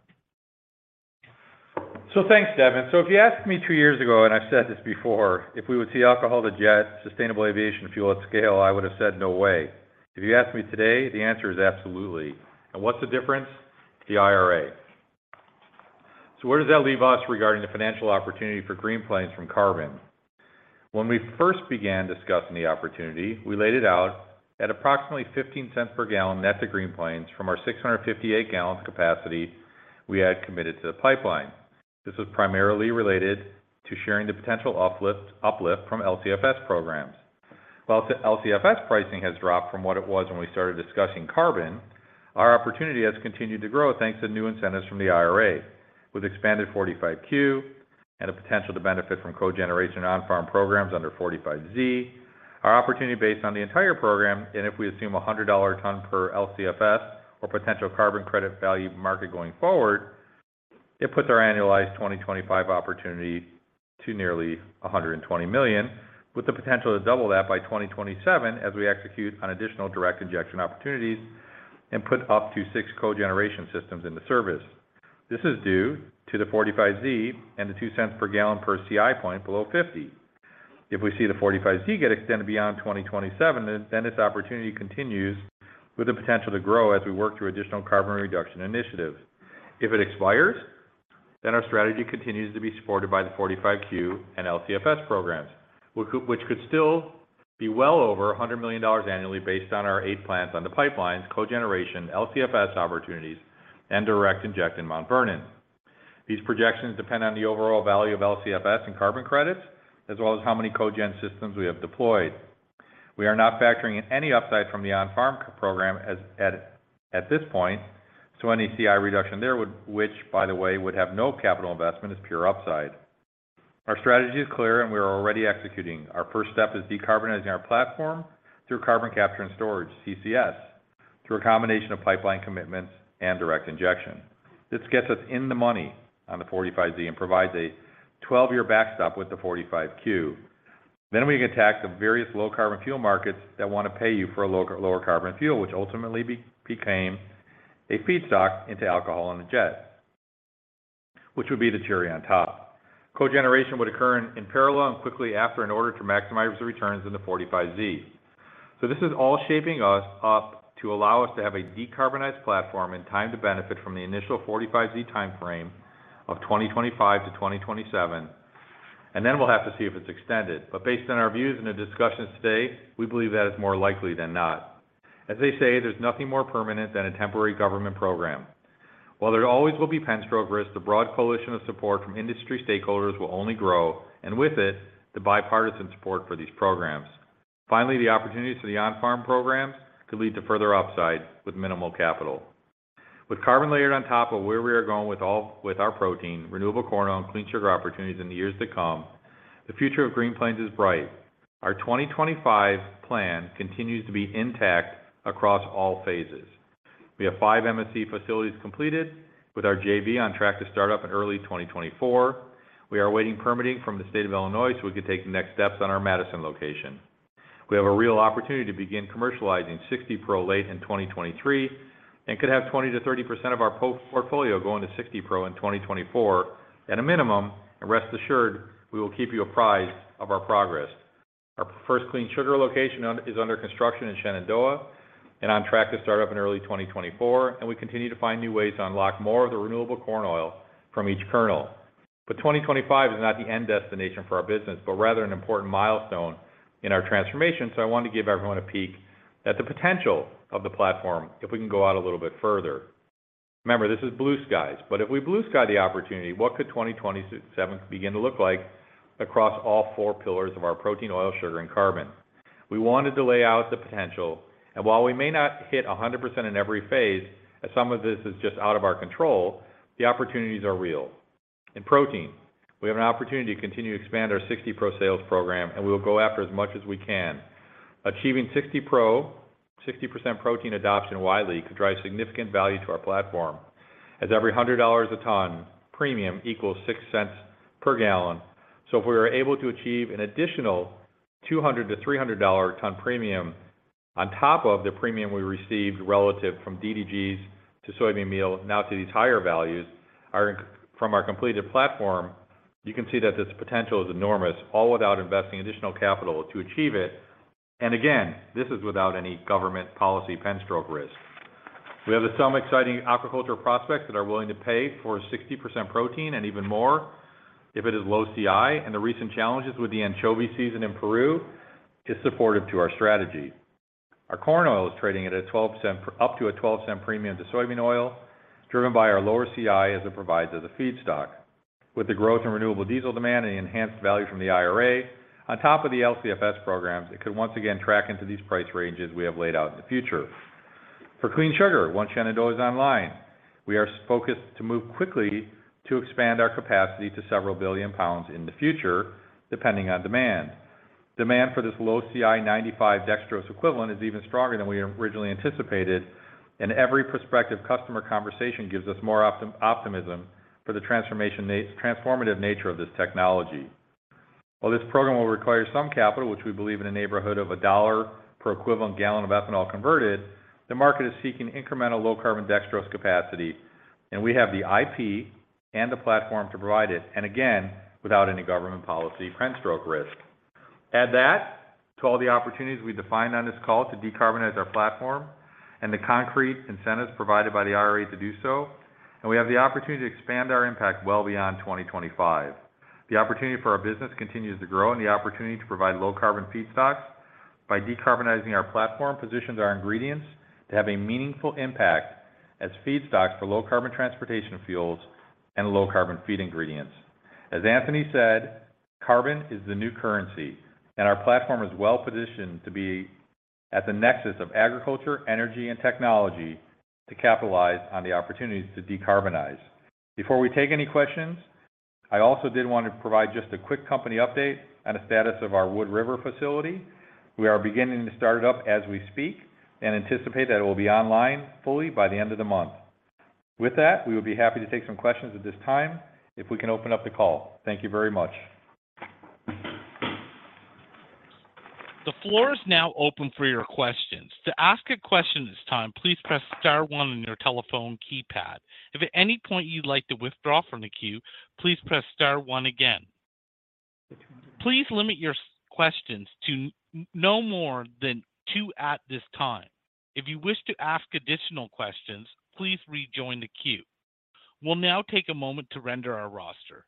Thanks, Devin. If you asked me two years ago, and I've said this before, if we would see alcohol-to-jet sustainable aviation fuel at scale, I would have said, "No way." If you ask me today, the answer is absolutely. What's the difference? The IRA. Where does that leave us regarding the financial opportunity for Green Plains from carbon? When we first began discussing the opportunity, we laid it out at approximately $0.15 per gallon net to Green Plains from our 658 gal capacity we had committed to the pipeline. This was primarily related to sharing the potential uplift from LCFS programs. While the LCFS pricing has dropped from what it was when we started discussing carbon, our opportunity has continued to grow thanks to new incentives from the IRA, with expanded 45Q and a potential to benefit from cogeneration on-farm programs under 45Z. Our opportunity based on the entire program, and if we assume a $100 tons per LCFS or potential carbon credit value market going forward, it puts our annualized 2025 opportunity to nearly $120 million, with the potential to double that by 2027 as we execute on additional direct injection opportunities and put up to six cogeneration systems into service. This is due to the 45Z and the $0.02 per gallon per CI point below 50. If we see the 45Z get extended beyond 2027, then this opportunity continues with the potential to grow as we work through additional carbon reduction initiatives. If it expires, then our strategy continues to be supported by the 45Q and LCFS programs, which could still be well over $100 million annually based on our eight plants on the pipelines, cogeneration, LCFS opportunities, and direct inject in Mount Vernon. These projections depend on the overall value of LCFS and carbon credits, as well as how many cogen systems we have deployed. We are not factoring in any upside from the on-farm program at this point, so any CI reduction there which, by the way, would have no capital investment, is pure upside. Our strategy is clear, and we are already executing. Our first step is decarbonizing our platform through carbon capture and storage, CCS, through a combination of pipeline commitments and direct injection. This gets us in the money on the 45Z and provides a 12-year backstop with the 45Q. We can attack the various low carbon fuel markets that want to pay you for a lower carbon fuel, which ultimately became a feedstock into alcohol on the jet, which would be the cherry on top. Cogeneration would occur in parallel and quickly after in order to maximize the returns in the 45Z. This is all shaping us up to allow us to have a decarbonized platform in time to benefit from the initial 45Z timeframe of 2025 to 2027, and then we'll have to see if it's extended. Based on our views and the discussions today, we believe that is more likely than not. As they say, there's nothing more permanent than a temporary government program. There always will be pen stroke risk, the broad coalition of support from industry stakeholders will only grow, and with it, the bipartisan support for these programs. The opportunities for the on-farm programs could lead to further upside with minimal capital. Carbon layered on top of where we are going with our protein, renewable corn oil, and clean sugar opportunities in the years to come, the future of Green Plains is bright. Our 2025 plan continues to be intact across all phases. We have five MSC facilities completed, with our JV on track to start up in early 2024. We are awaiting permitting from the state of Illinois, so we can take the next steps on our Madison location. We have a real opportunity to begin commercializing 60 Pro late in 2023, and could have 20%-30% of our portfolio going to 60 Pro in 2024 at a minimum, and rest assured, we will keep you apprised of our progress. Our first clean sugar location is under construction in Shenandoah and on track to start up in early 2024, and we continue to find new ways to unlock more of the renewable corn oil from each kernel. 2025 is not the end destination for our business, but rather an important milestone in our transformation, so I wanted to give everyone a peek at the potential of the platform, if we can go out a little bit further. Remember, this is blue skies, but if we blue sky the opportunity, what could 2027 begin to look like across all four pillars of our protein, oil, sugar, and carbon? While we wanted to lay out the potential, we may not hit 100% in every phase, as some of this is just out of our control, the opportunities are real. In protein, we have an opportunity to continue to expand our 60% protein adoption widely could drive significant value to our platform, as every $100 a ton premium equals $0.06 per gallon. If we are able to achieve an additional $200-$300 tons premium on top of the premium we received relative from DDGS to soybean meal, now to these higher values, from our completed platform, you can see that this potential is enormous, all without investing additional capital to achieve it. Again, this is without any government policy pen stroke risk. We have some exciting aquaculture prospects that are willing to pay for 60% protein and even more if it is low CI, and the recent challenges with the anchovy season in Peru is supportive to our strategy. Our corn oil is trading at up to a $0.12 premium to soybean oil, driven by our lower CI as it provides as a feedstock. With the growth in renewable diesel demand and the enhanced value from the IRA, on top of the LCFS programs, it could once again track into these price ranges we have laid out in the future. For clean sugar, once Shenandoah is online, we are focused to move quickly to expand our capacity to several billion pounds in the future, depending on demand. Demand for this low CI-95 dextrose equivalent is even stronger than we originally anticipated, and every prospective customer conversation gives us more optimism for the transformative nature of this technology. While this program will require some capital, which we believe in the neighborhood of $1 per equivalent gallon of ethanol converted, the market is seeking incremental low-carbon dextrose capacity, and we have the IP and the platform to provide it, and again, without any government policy pen stroke risk. Add that to all the opportunities we defined on this call to decarbonize our platform and the concrete incentives provided by the IRA to do so, we have the opportunity to expand our impact well beyond 2025. The opportunity for our business continues to grow, the opportunity to provide low-carbon feedstocks by decarbonizing our platform positions our ingredients to have a meaningful impact as feedstocks for low-carbon transportation fuels and low-carbon feed ingredients. As Anthony said, carbon is the new currency, our platform is well positioned to be at the nexus of agriculture, energy, and technology to capitalize on the opportunities to decarbonize. Before we take any questions, I also did want to provide just a quick company update on the status of our Wood River facility. We are beginning to start it up as we speak and anticipate that it will be online fully by the end of the month. With that, we would be happy to take some questions at this time if we can open up the call. Thank you very much. The floor is now open for your questions. To ask a question at this time, please press star one on your telephone keypad. If at any point you'd like to withdraw from the queue, please press star one again. Please limit your questions to no more than two at this time. If you wish to ask additional questions, please rejoin the queue. We'll now take a moment to render our roster.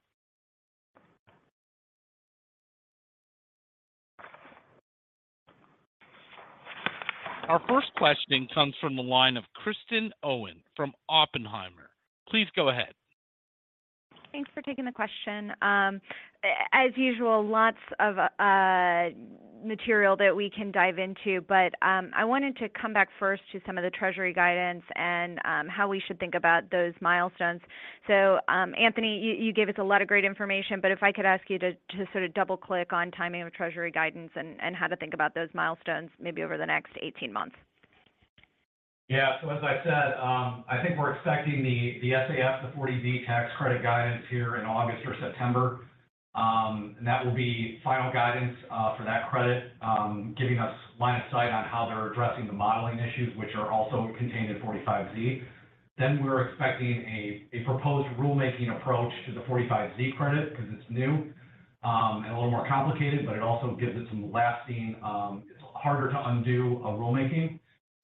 Our first questioning comes from the line of Kristen Owen from Oppenheimer. Please go ahead. Thanks for taking the question. As usual, lots of material that we can dive into, but, I wanted to come back first to some of the Treasury guidance and, how we should think about those milestones. Anthony, you gave us a lot of great information, but if I could ask you to sort of double-click on timing of Treasury guidance and how to think about those milestones, maybe over the next 18 months. Yeah. As I said, I think we're expecting the SAF, the 40B tax credit guidance here in August or September. That will be final guidance for that credit, giving us line of sight on how they're addressing the modeling issues, which are also contained in 45Z. We're expecting a proposed rulemaking approach to the 45Z credit because it's new, a little more complicated, it also gives it some lasting, it's harder to undo a rulemaking.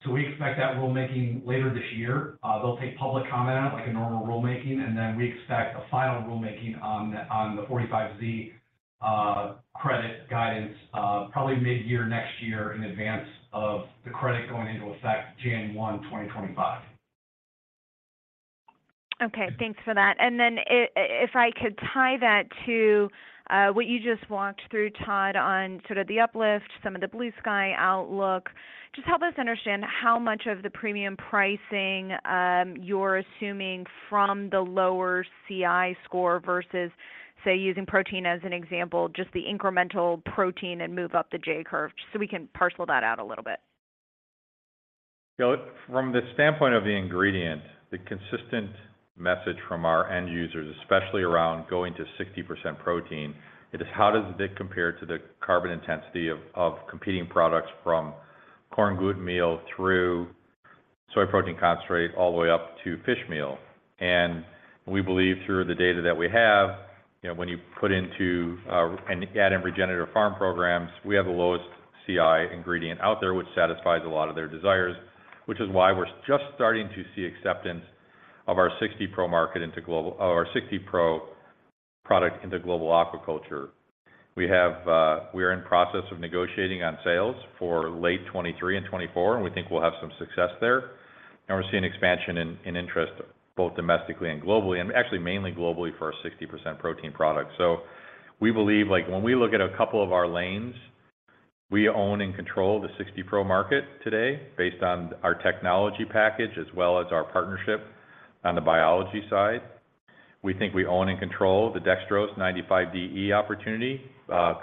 We expect that rulemaking later this year. They'll take public comment on it, like a normal rulemaking, we expect a final rulemaking on the 45Z credit guidance probably midyear next year in advance of the credit going into effect January 1, 2025. Okay. Thanks for that. If I could tie that to what you just walked through, Todd, on sort of the uplift, some of the blue-sky outlook. Just help us understand how much of the premium pricing, you're assuming from the lower CI score versus, say, using protein as an example, just the incremental protein and move up the J curve, so we can parcel that out a little bit? From the standpoint of the ingredient, the consistent message from our end users, especially around going to 60% protein, it is: How does it compare to the carbon intensity of competing products from corn gluten meal through soy protein concentrate, all the way up to fish meal? We believe through the data that we have, you know, when you put into add in regenerative farm programs, we have the lowest CI ingredient out there, which satisfies a lot of their desires, which is why we're just starting to see acceptance of our 60 Pro product into global aquaculture. We have, we are in process of negotiating on sales for late 2023 and 2024, and we think we'll have some success there. We're seeing expansion in interest, both domestically and globally, and actually mainly globally for our 60% protein product. We believe, like, when we look at a couple of our lanes, we own and control the 60 Pro market today based on our technology package, as well as our partnership on the biology side. We think we own and control the dextrose 95 DE opportunity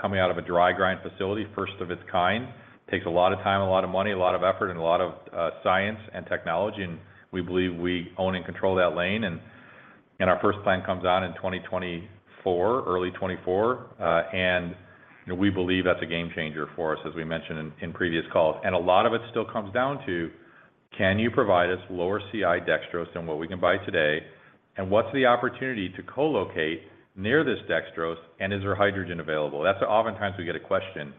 coming out of a dry grind facility, first of its kind. Takes a lot of time, a lot of money, a lot of effort, and a lot of science and technology, and we believe we own and control that lane. Our first plan comes out in 2024, early 2024, and we believe that's a game changer for us, as we mentioned in previous calls. A lot of it still comes down to: Can you provide us lower CI dextrose than what we can buy today? What's the opportunity to co-locate near this dextrose, and is there hydrogen available? That's oftentimes we get a question: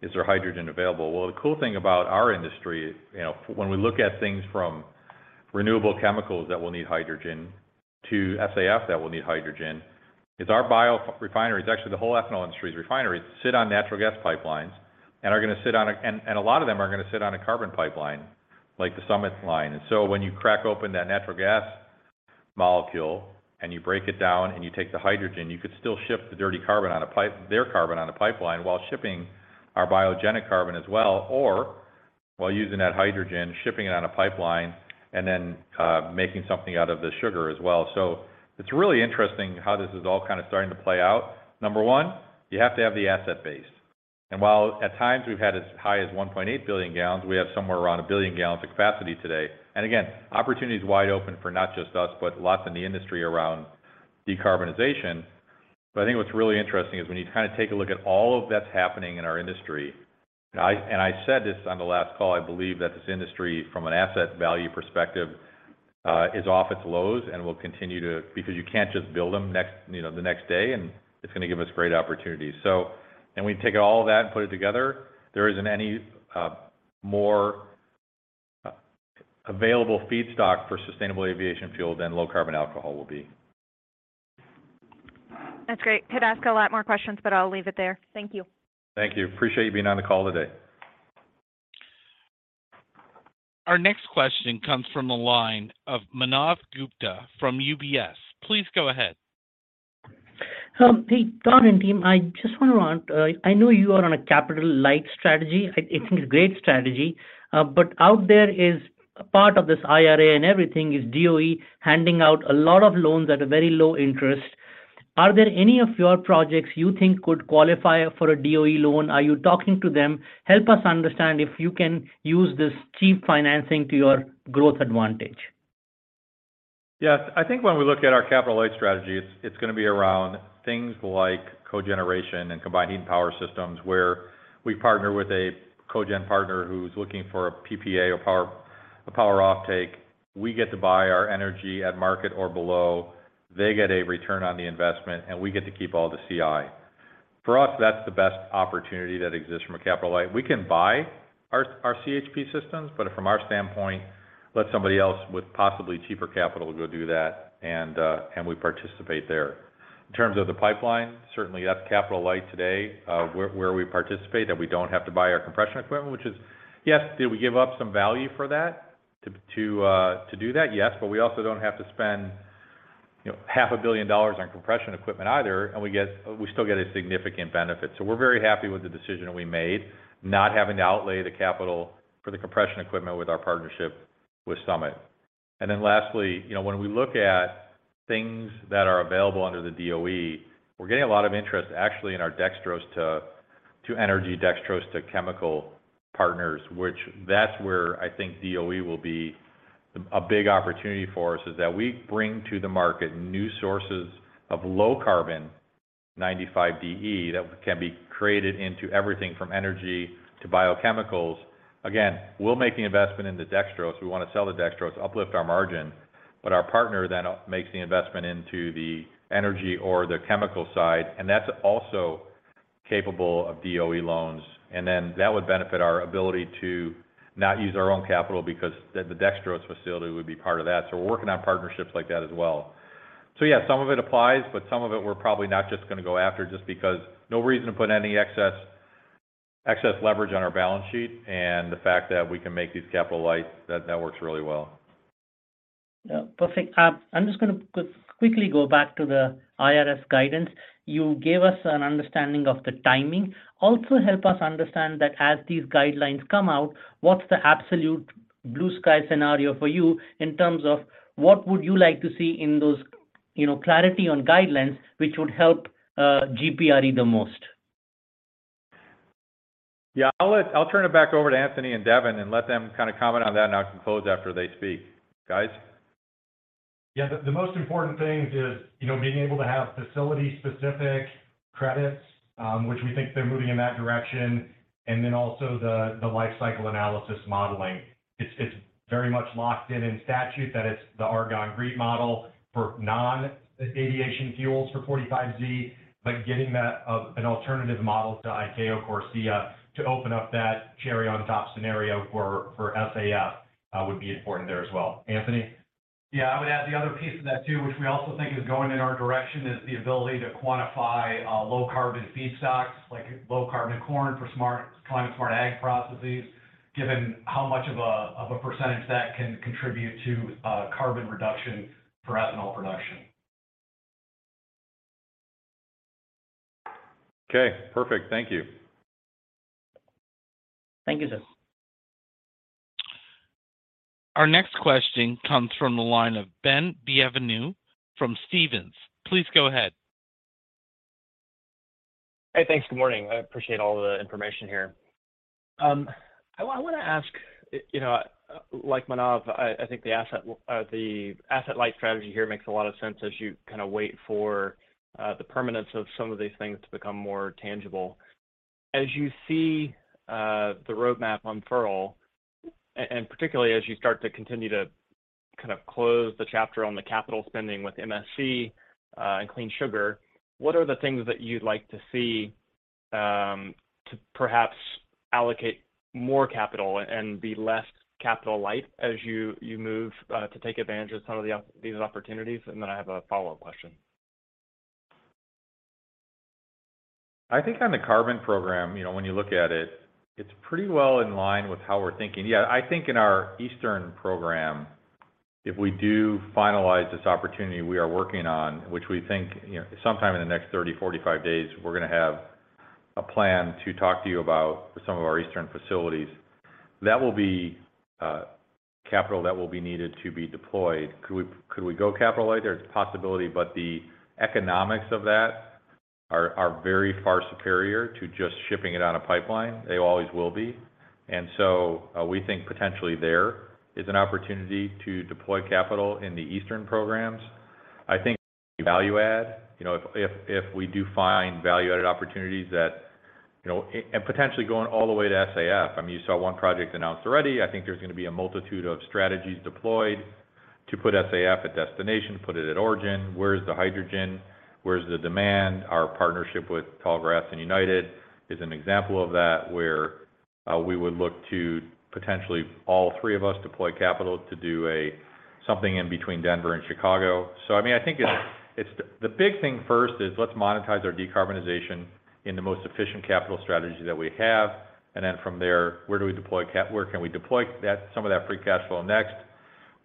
Is there hydrogen available? Well, the cool thing about our industry, you know, when we look at things from renewable chemicals that will need hydrogen to SAF that will need hydrogen, is our biorefineries, actually, the whole ethanol industry's refineries, sit on natural gas pipelines and are gonna sit on a and a lot of them are gonna sit on a carbon pipeline, like the Summit line. When you crack open that natural gas molecule and you break it down and you take the hydrogen, you could still ship the dirty carbon on a pipeline while shipping our biogenic carbon as well, or while using that hydrogen, shipping it on a pipeline, and then making something out of the sugar as well. It's really interesting how this is all kind of starting to play out. Number one, you have to have the asset base. While at times we've had as high as 1.8 billion gallons, we have somewhere around 1 billion gallons of capacity today. Again, opportunity is wide open for not just us, but lots in the industry around decarbonization. I think what's really interesting is when you kind of take a look at all of that's happening in our industry, I, and I said this on the last call, I believe that this industry, from an asset value perspective, is off its lows and will continue to because you can't just build them next, you know, the next day, and it's gonna give us great opportunities. When you take all of that and put it together, there isn't any more available feedstock for sustainable aviation fuel than low-carbon alcohol will be. That's great. Could ask a lot more questions, but I'll leave it there. Thank you. Thank you. Appreciate you being on the call today. Our next question comes from the line of Manav Gupta from UBS. Please go ahead. Hey, Don and team, I just want to run. I know you are on a capital-light strategy. I think it's a great strategy. Out there is a part of this IRA. Everything is DOE handing out a lot of loans at a very low interest. Are there any of your projects you think could qualify for a DOE loan? Are you talking to them? Help us understand if you can use this cheap financing to your growth advantage. Yes. I think when we look at our capital light strategy, it's gonna be around things like cogeneration and combining power systems, where we partner with a cogen partner who's looking for a PPA, a power offtake. We get to buy our energy at market or below. They get a return on the investment, and we get to keep all the CI. For us, that's the best opportunity that exists from a capital light. We can buy our CHP systems, but from our standpoint, let somebody else with possibly cheaper capital go do that, and we participate there. In terms of the pipeline, certainly that's capital light today, where we participate, that we don't have to buy our compression equipment, which is... Yes, did we give up some value for that, to do that? We also don't have to spend, you know, $500 million on compression equipment either, and we still get a significant benefit. We're very happy with the decision we made, not having to outlay the capital for the compression equipment with our partnership with Summit. Lastly, you know, when we look at things that are available under the DOE, we're getting a lot of interest, actually, in our dextrose to energy, dextrose to chemical partners, which that's where I think DOE will be a big opportunity for us, is that we bring to the market new sources of low-carbon 95 DE that can be created into everything from energy to biochemicals. We'll make the investment in the dextrose. We want to sell the dextrose, uplift our margin, but our partner then makes the investment into the energy or the chemical side, and that's also capable of DOE loans. That would benefit our ability to not use our own capital because the dextrose facility would be part of that. We're working on partnerships like that as well. Yeah, some of it applies, but some of it we're probably not just gonna go after, just because no reason to put any excess leverage on our balance sheet and the fact that we can make these capital light, that works really well. Yeah, perfect. I'm just gonna quickly go back to the IRS guidance. You gave us an understanding of the timing. Also, help us understand that as these guidelines come out, what's the absolute blue-sky scenario for you in terms of what would you like to see in those, you know, clarity on guidelines which would help GPRE the most? Yeah, I'll turn it back over to Anthony and Devin and let them kinda comment on that, and I can close after they speak. Guys? Yeah, the most important thing is, you know, being able to have facility-specific credits, which we think they're moving in that direction, and then also the lifecycle analysis modeling. It's very much locked in in statute that it's the Argonne GREET model for non-aviation fuels for 45Z, but getting that an alternative model to ICAO CORSIA to open up that cherry-on-top scenario for SAF would be important there as well. Anthony? I would add the other piece of that, too, which we also think is going in our direction, is the ability to quantify low-carbon feedstocks, like low-carbon corn for climate smart ag processes, given how much of a percentage that can contribute to carbon reduction for ethanol production. Okay, perfect. Thank you. Thank you, sir. Our next question comes from the line of Ben Bienvenu from Stephens. Please go ahead. Hey, thanks. Good morning. I appreciate all the information here. I wanna ask, you know, like Manav, I think the asset, the asset-light strategy here makes a lot of sense as you kind of wait for the permanence of some of these things to become more tangible. As you see the roadmap unfurl, and particularly as you start to continue to kind of close the chapter on the capital spending with MSC and Clean Sugar, what are the things that you'd like to see to perhaps allocate more capital and be less capital light as you move to take advantage of some of these opportunities? Then I have a follow-up question. I think on the carbon program, you know, when you look at it's pretty well in line with how we're thinking. I think in our Eastern program, if we do finalize this opportunity we are working on, which we think, you know, sometime in the next 30, 45 days, we're gonna have a plan to talk to you about some of our Eastern facilities. That will be capital that will be needed to be deployed. Could we go capital light? There's a possibility, but the economics of that are very far superior to just shipping it on a pipeline. They always will be. So we think potentially there is an opportunity to deploy capital in the Eastern programs. I think value add, you know, if we do find value-added opportunities that, you know... And potentially going all the way to SAF. I mean, you saw one project announced already. I think there's gonna be a multitude of strategies deployed to put SAF at destination, put it at origin. Where's the hydrogen? Where's the demand? Our partnership with Tallgrass and United is an example of that, where we would look to potentially all three of us deploy capital to do something in between Denver and Chicago. I mean, I think it's the big thing first is let's monetize our decarbonization in the most efficient capital strategy that we have, and then from there, where can we deploy that, some of that free cash flow next?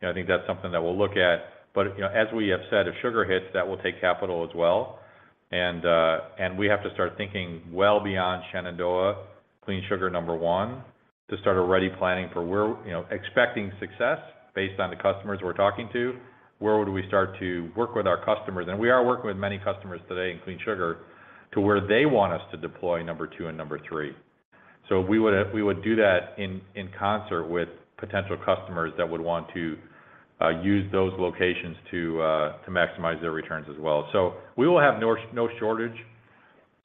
You know, I think that's something that we'll look at. You know, as we have said, if sugar hits, that will take capital as well, and we have to start thinking well beyond Shenandoah, Clean Sugar number one, to start already planning for where. You know, expecting success based on the customers we're talking to, where would we start to work with our customers? We are working with many customers today in Clean Sugar, to where they want us to deploy number two and number three. We would do that in concert with potential customers that would want to use those locations to maximize their returns as well. We will have no shortage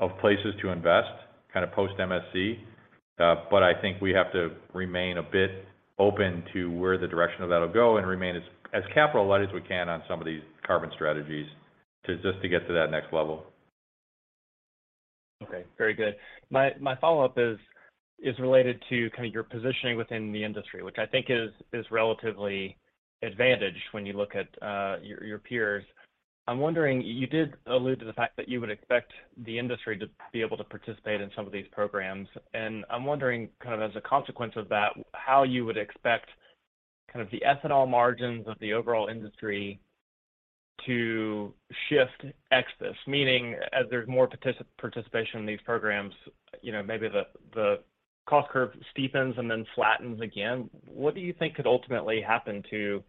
of places to invest, kind of post MSC, but I think we have to remain a bit open to where the direction of that'll go and remain as capital light as we can on some of these carbon strategies, to just to get to that next level. Okay. Very good. My follow-up is related to kind of your positioning within the industry, which I think is relatively advantaged when you look at your peers. I'm wondering, you did allude to the fact that you would expect the industry to be able to participate in some of these programs, and I'm wondering, kind of as a consequence of that, how you would expect kind of the ethanol margins of the overall industry to shift ex this. Meaning, as there's more participation in these programs, you know, maybe the cost curve steepens and then flattens again. What do you think could ultimately happen to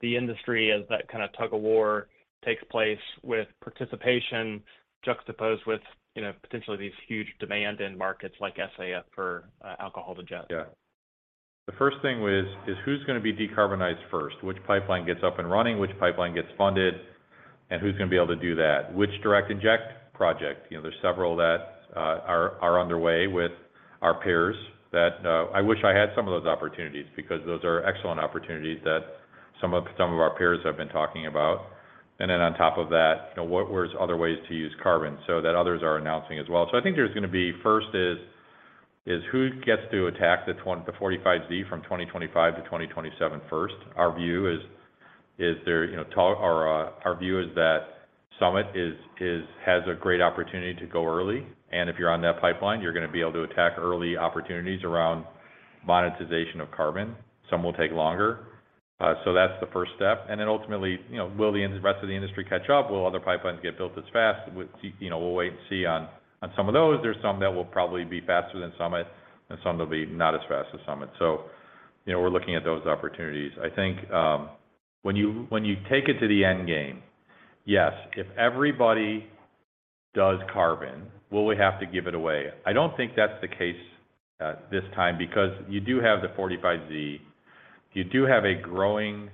the industry as that kind of tug-of-war takes place with participation juxtaposed with, you know, potentially these huge demand in markets like SAF for alcohol to jet? Yeah. The first thing is who's gonna be decarbonized first? Which pipeline gets up and running, which pipeline gets funded, and who's gonna be able to do that? Which direct inject project? You know, there's several that are underway with our peers that, I wish I had some of those opportunities, because those are excellent opportunities that some of our peers have been talking about. Then on top of that, you know, where's other ways to use carbon? That others are announcing as well. I think there's gonna be, first is who gets to attack the 45Z from 2025 to 2027 first? Our view is that Summit is, has a great opportunity to go early, and if you're on that pipeline, you're gonna be able to attack early opportunities around monetization of carbon. Some will take longer, so that's the first step. Ultimately, you know, will the rest of the industry catch up? Will other pipelines get built as fast? You know, we'll wait and see on some of those. There's some that will probably be faster than Summit, and some that'll be not as fast as Summit. You know, we're looking at those opportunities. I think, when you, when you take it to the end game, yes, if everybody does carbon, will we have to give it away? I don't think that's the case at this time, because you do have the 45Z, you do have a growing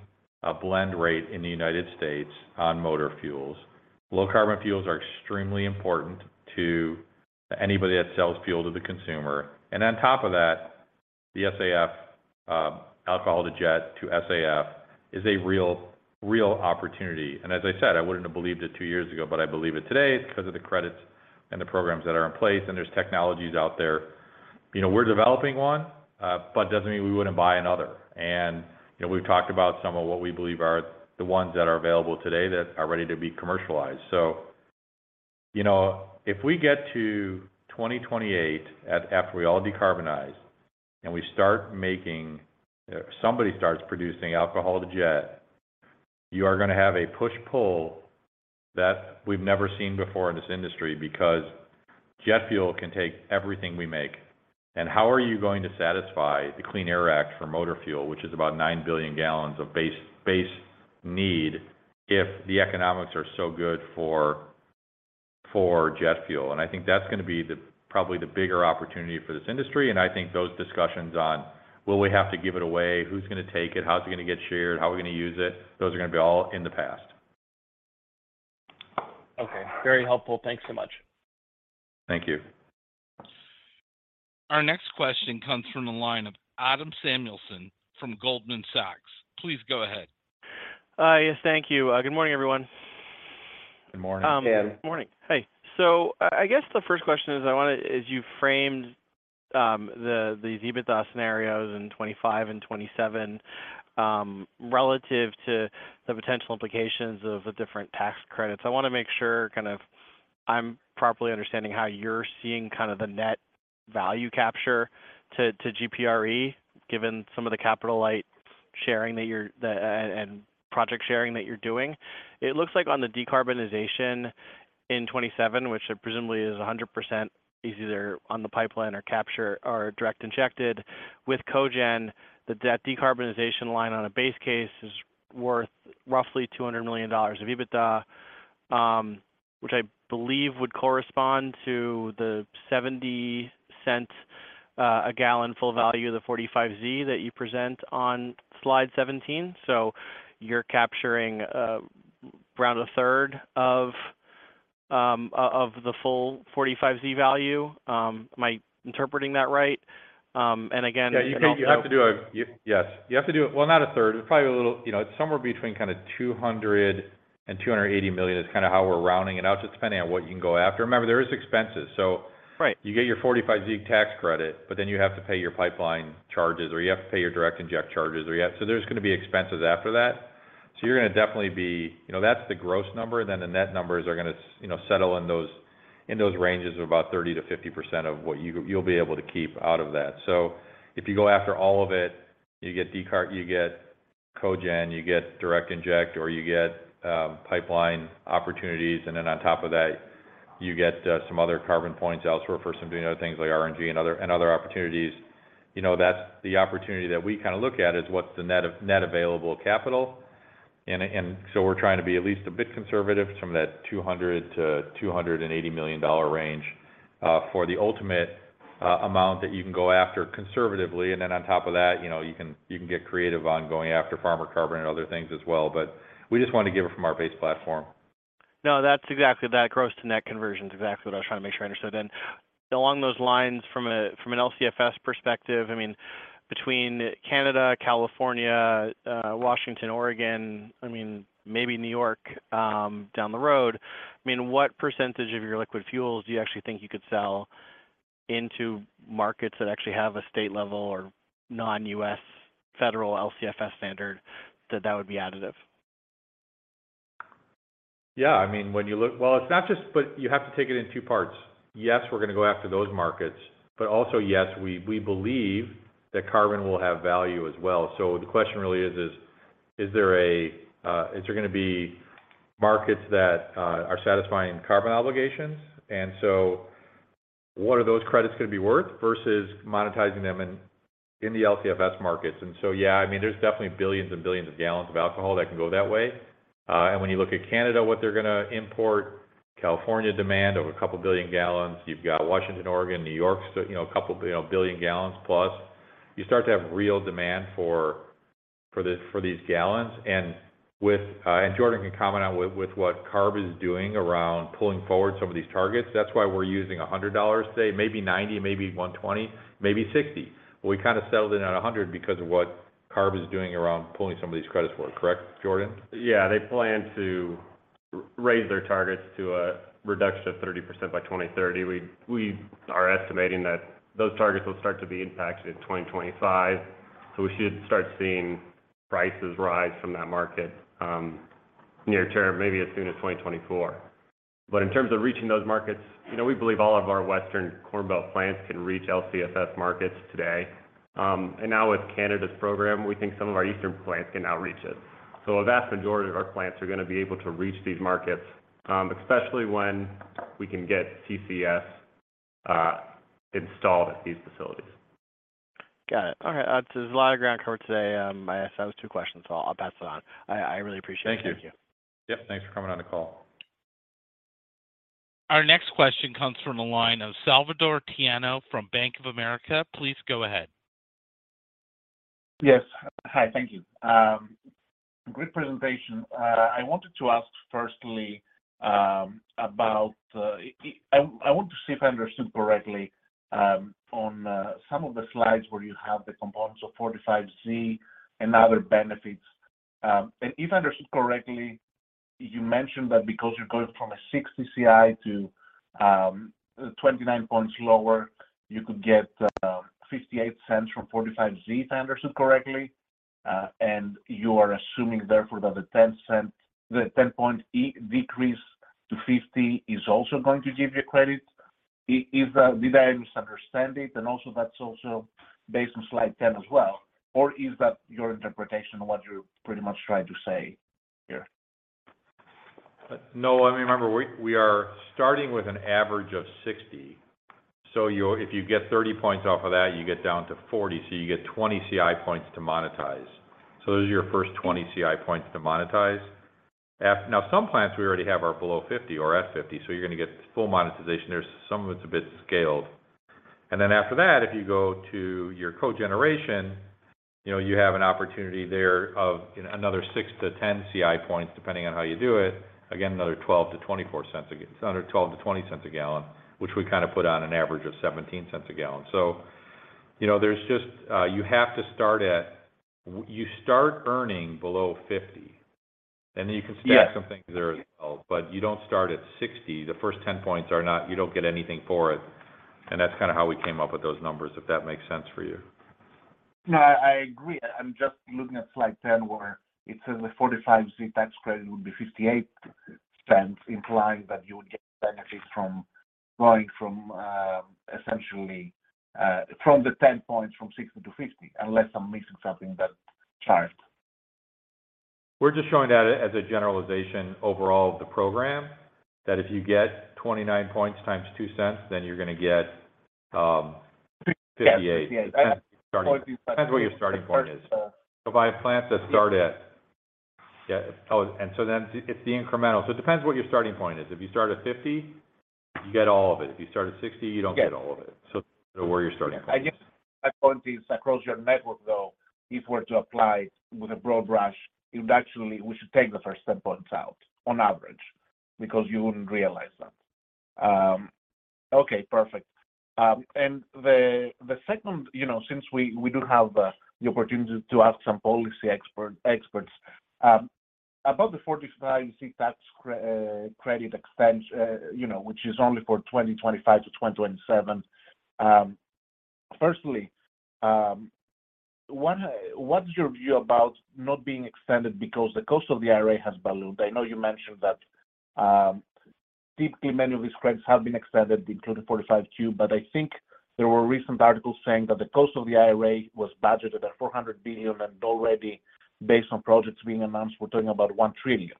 blend rate in the United States on motor fuels. Low carbon fuels are extremely important to anybody that sells fuel to the consumer. On top of that, the SAF, alcohol to jet, to SAF, is a real opportunity. As I said, I wouldn't have believed it two years ago, but I believe it today because of the credits and the programs that are in place, and there's technologies out there. You know, we're developing one, doesn't mean we wouldn't buy another. You know, we've talked about some of what we believe are the ones that are available today that are ready to be commercialized. You know, if we get to 2028 after we all decarbonize, and we start making, somebody starts producing alcohol to jet-. You are going to have a push-pull that we've never seen before in this industry, because jet fuel can take everything we make. How are you going to satisfy the Clean Air Act for motor fuel, which is about 9 billion gallons of base need, if the economics are so good for jet fuel? I think that's going to be the, probably the bigger opportunity for this industry. I think those discussions on, will we have to give it away? Who's going to take it? How is it going to get shared? How are we going to use it? Those are going to be all in the past. Okay, very helpful. Thanks so much. Thank you. Our next question comes from the line of Adam Samuelson from Goldman Sachs. Please go ahead. Yes, thank you. Good morning, everyone. Good morning, Adam. Good morning. Hey. I guess the first question is I want to is you framed the EBITDA scenarios in 2025 and 2027 relative to the potential implications of the different tax credits. I want to make sure kind of I'm properly understanding how you're seeing kind of the net value capture to GPRE, given some of the capital light sharing that you're and project sharing that you're doing. It looks like on the decarbonization in 2027, which presumably is 100%, is either on the pipeline or capture or direct injected. With Cogen, that decarbonization line on a base case is worth roughly $200 million of EBITDA, which I believe would correspond to the $0.70 a gallon full value of the 45Z that you present on slide 17. You're capturing, around a third of the full 45Z value. Am I interpreting that right? Again- Yeah, you have to do it. Well, not a third. It's probably a little, you know, it's somewhere between kind of $200 million-$280 million, is kind of how we're rounding it out, just depending on what you can go after. Remember, there is expenses. Right. You get your 45Z tax credit, you have to pay your pipeline charges, or you have to pay your direct inject charges. There's going to be expenses after that. You're going to definitely be. You know, that's the gross number. The net numbers are gonna, you know, settle in those, in those ranges of about 30%-50% of what you'll be able to keep out of that. If you go after all of it, you get decart, you get cogen, you get direct inject, or you get pipeline opportunities, and then on top of that, you get some other carbon points elsewhere for some doing other things like RNG and other opportunities. You know, that's the opportunity that we kind of look at, is what's the net available capital. So we're trying to be at least a bit conservative from that $200 million-$280 million range for the ultimate amount that you can go after conservatively. Then on top of that, you know, you can get creative on going after farmer carbon and other things as well, but we just want to give it from our base platform. No, that's exactly that. Gross to net conversion is exactly what I was trying to make sure I understood then. Along those lines, from an LCFS perspective, I mean, between Canada, California, Washington, Oregon, I mean, maybe New York, down the road, I mean, what percentage of your liquid fuels do you actually think you could sell into markets that actually have a state level or non-U.S. federal LCFS standard, that would be additive? Yeah, I mean, it's not just, but you have to take it in two parts. Yes, we're going to go after those markets, but also, yes, we believe that carbon will have value as well. The question really is there a, is there going to be markets that are satisfying carbon obligations? What are those credits going to be worth versus monetizing them in the LCFS markets? Yeah, I mean, there's definitely billions and billions of gallons of alcohol that can go that way. When you look at Canada, what they're gonna import, California demand of a couple billion gallons, you've got Washington, Oregon, New York, so you know, a couple billion gallons plus. You start to have real demand for the, for these gallons. With, and Jordan can comment on with what CARB is doing around pulling forward some of these targets. That's why we're using $100 today, maybe $90, maybe $120, maybe $60. We kind of settled in at $100 because of what CARB is doing around pulling some of these credits forward. Correct, Jordan? Yeah, they plan to raise their targets to a reduction of 30% by 2030. We are estimating that those targets will start to be impacted in 2025, we should start seeing prices rise from that market near term, maybe as soon as 2024. In terms of reaching those markets, you know, we believe all of our Western Corn Belt plants can reach LCFS markets today. Now with Canada's program, we think some of our Eastern plants can now reach it. A vast majority of our plants are gonna be able to reach these markets, especially when we can get CCS installed at these facilities. Got it. Okay, there's a lot of ground covered today. I asked those two questions, so I'll pass it on. I really appreciate it. Thank you. Thank you. Yep, thanks for coming on the call. Our next question comes from the line of Salvatore Tiano from Bank of America. Please go ahead. Yes. Hi, thank you. Great presentation. I wanted to ask firstly, about, I want to see if I understood correctly, on some of the slides where you have the components of 45Z and other benefits. If I understood correctly, you mentioned that because you're going from a 60 CI to 29 points lower, you could get $0.58 from 45Z, if I understood correctly. You are assuming, therefore, that the 10 point decrease to 50 is also going to give you credit? If, did I misunderstand it? Also that's also based on slide 10 as well, or is that your interpretation of what you're pretty much trying to say here? No, I mean, remember, we are starting with an average of 60. If you get 30 points off of that, you get down to 40, so you get 20 CI points to monetize. Those are your first 20 CI points to monetize. Some plants we already have are below 50 or at 50, so you're gonna get full monetization there. Some of it's a bit scaled. After that, if you go to your cogeneration, you know, you have an opportunity there of, you know, another 6-10 CI points, depending on how you do it. Again, another $0.12-$0.20 a gallon, which we kind of put on an average of $0.17 a gallon. You know, there's just, you have to start at... You start earning below $50. Yes -some things there as well. You don't start at 60. The first 10 points are not. You don't get anything for it. That's kind of how we came up with those numbers, if that makes sense for you. No, I agree. I'm just looking at slide 10, where it says the 45Z tax credit would be $0.58, implying that you would get benefits from going from, essentially, from the 10 points, from 60 to 50, unless I'm missing something in that chart. We're just showing that as a, as a generalization overall of the program, that if you get 29 points times $0.02, you're gonna get $0.58. Yes. Depends on where your starting point is. By plants that start at... Oh, then it's the incremental. It depends what your starting point is. If you start at 50, you get all of it. If you start at 60, you don't get all of it. Yes. It's where you're starting from. I guess my point is across your network, though, if we're to apply with a broad brush, you'd actually we should take the first 10 points out on average because you wouldn't realize that. Okay, perfect. The second, you know, since we do have the opportunity to ask some policy experts about the 45Z tax credit extension, you know, which is only for 2025 to 2027. Firstly, what is your view about not being extended because the cost of the IRA has ballooned? I know you mentioned that, typically many of these credits have been extended, including 45Q, but I think there were recent articles saying that the cost of the IRA was budgeted at $400 billion, and already, based on projects being announced, we're talking about $1 trillion.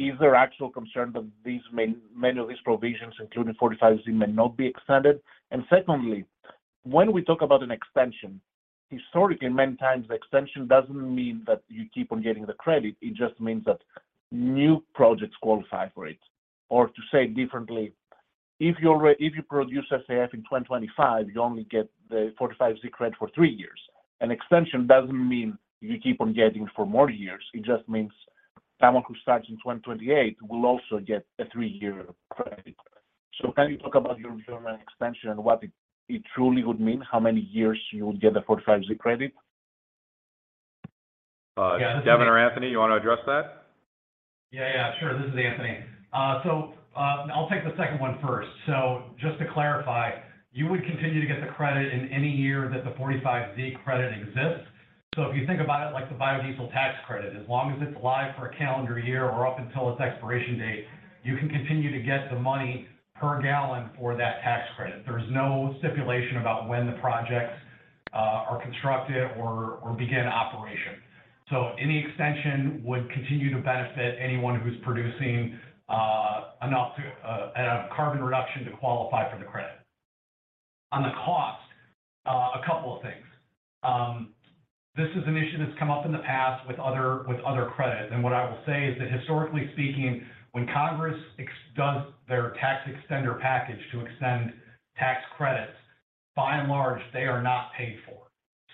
Is there actual concern that these many of these provisions, including 45Z, may not be extended? Secondly, when we talk about an extension, historically, many times the extension doesn't mean that you keep on getting the credit. It just means that new projects qualify for it. To say it differently, if you produce SAF in 2025, you only get the 45Z credit for three years. An extension doesn't mean you keep on getting it for more years. It just means someone who starts in 2028 will also get a three-year credit. Can you talk about your view on an extension and what it truly would mean? How many years you would get the 45Z credit? Devin or Anthony, you want to address that? Sure. This is Anthony. I'll take the second one first. Just to clarify, you would continue to get the credit in any year that the 45Z credit exists. If you think about it, like the biodiesel tax credit, as long as it's live for a calendar year or up until its expiration date, you can continue to get the money per gallon for that tax credit. There's no stipulation about when the projects are constructed or begin operation. Any extension would continue to benefit anyone who's producing enough to a carbon reduction to qualify for the credit. On the cost, a couple of things. This is an issue that's come up in the past with other, with other credits. What I will say is that historically speaking, when Congress does their tax extender package to extend tax credits, by and large, they are not paid for.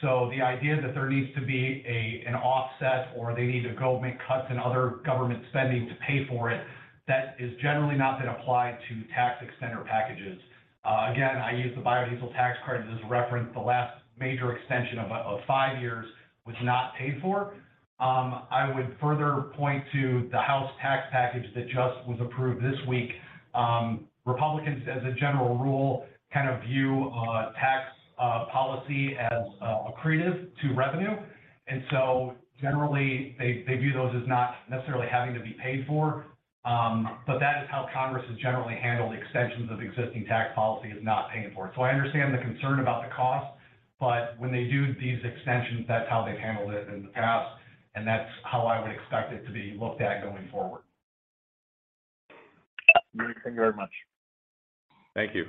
The idea that there needs to be an offset or they need to go make cuts in other government spending to pay for it, that is generally not been applied to tax extender packages. Again, I use the biodiesel tax credit as a reference. The last major extension of five years was not paid for. I would further point to the House tax package that just was approved this week. Republicans, as a general rule, kind of view tax policy as accretive to revenue. Generally, they view those as not necessarily having to be paid for. That is how Congress has generally handled extensions of existing tax policy, is not paying for it. I understand the concern about the cost. When they do these extensions, that's how they've handled it in the past, and that's how I would expect it to be looked at going forward. Thank you very much. Thank you.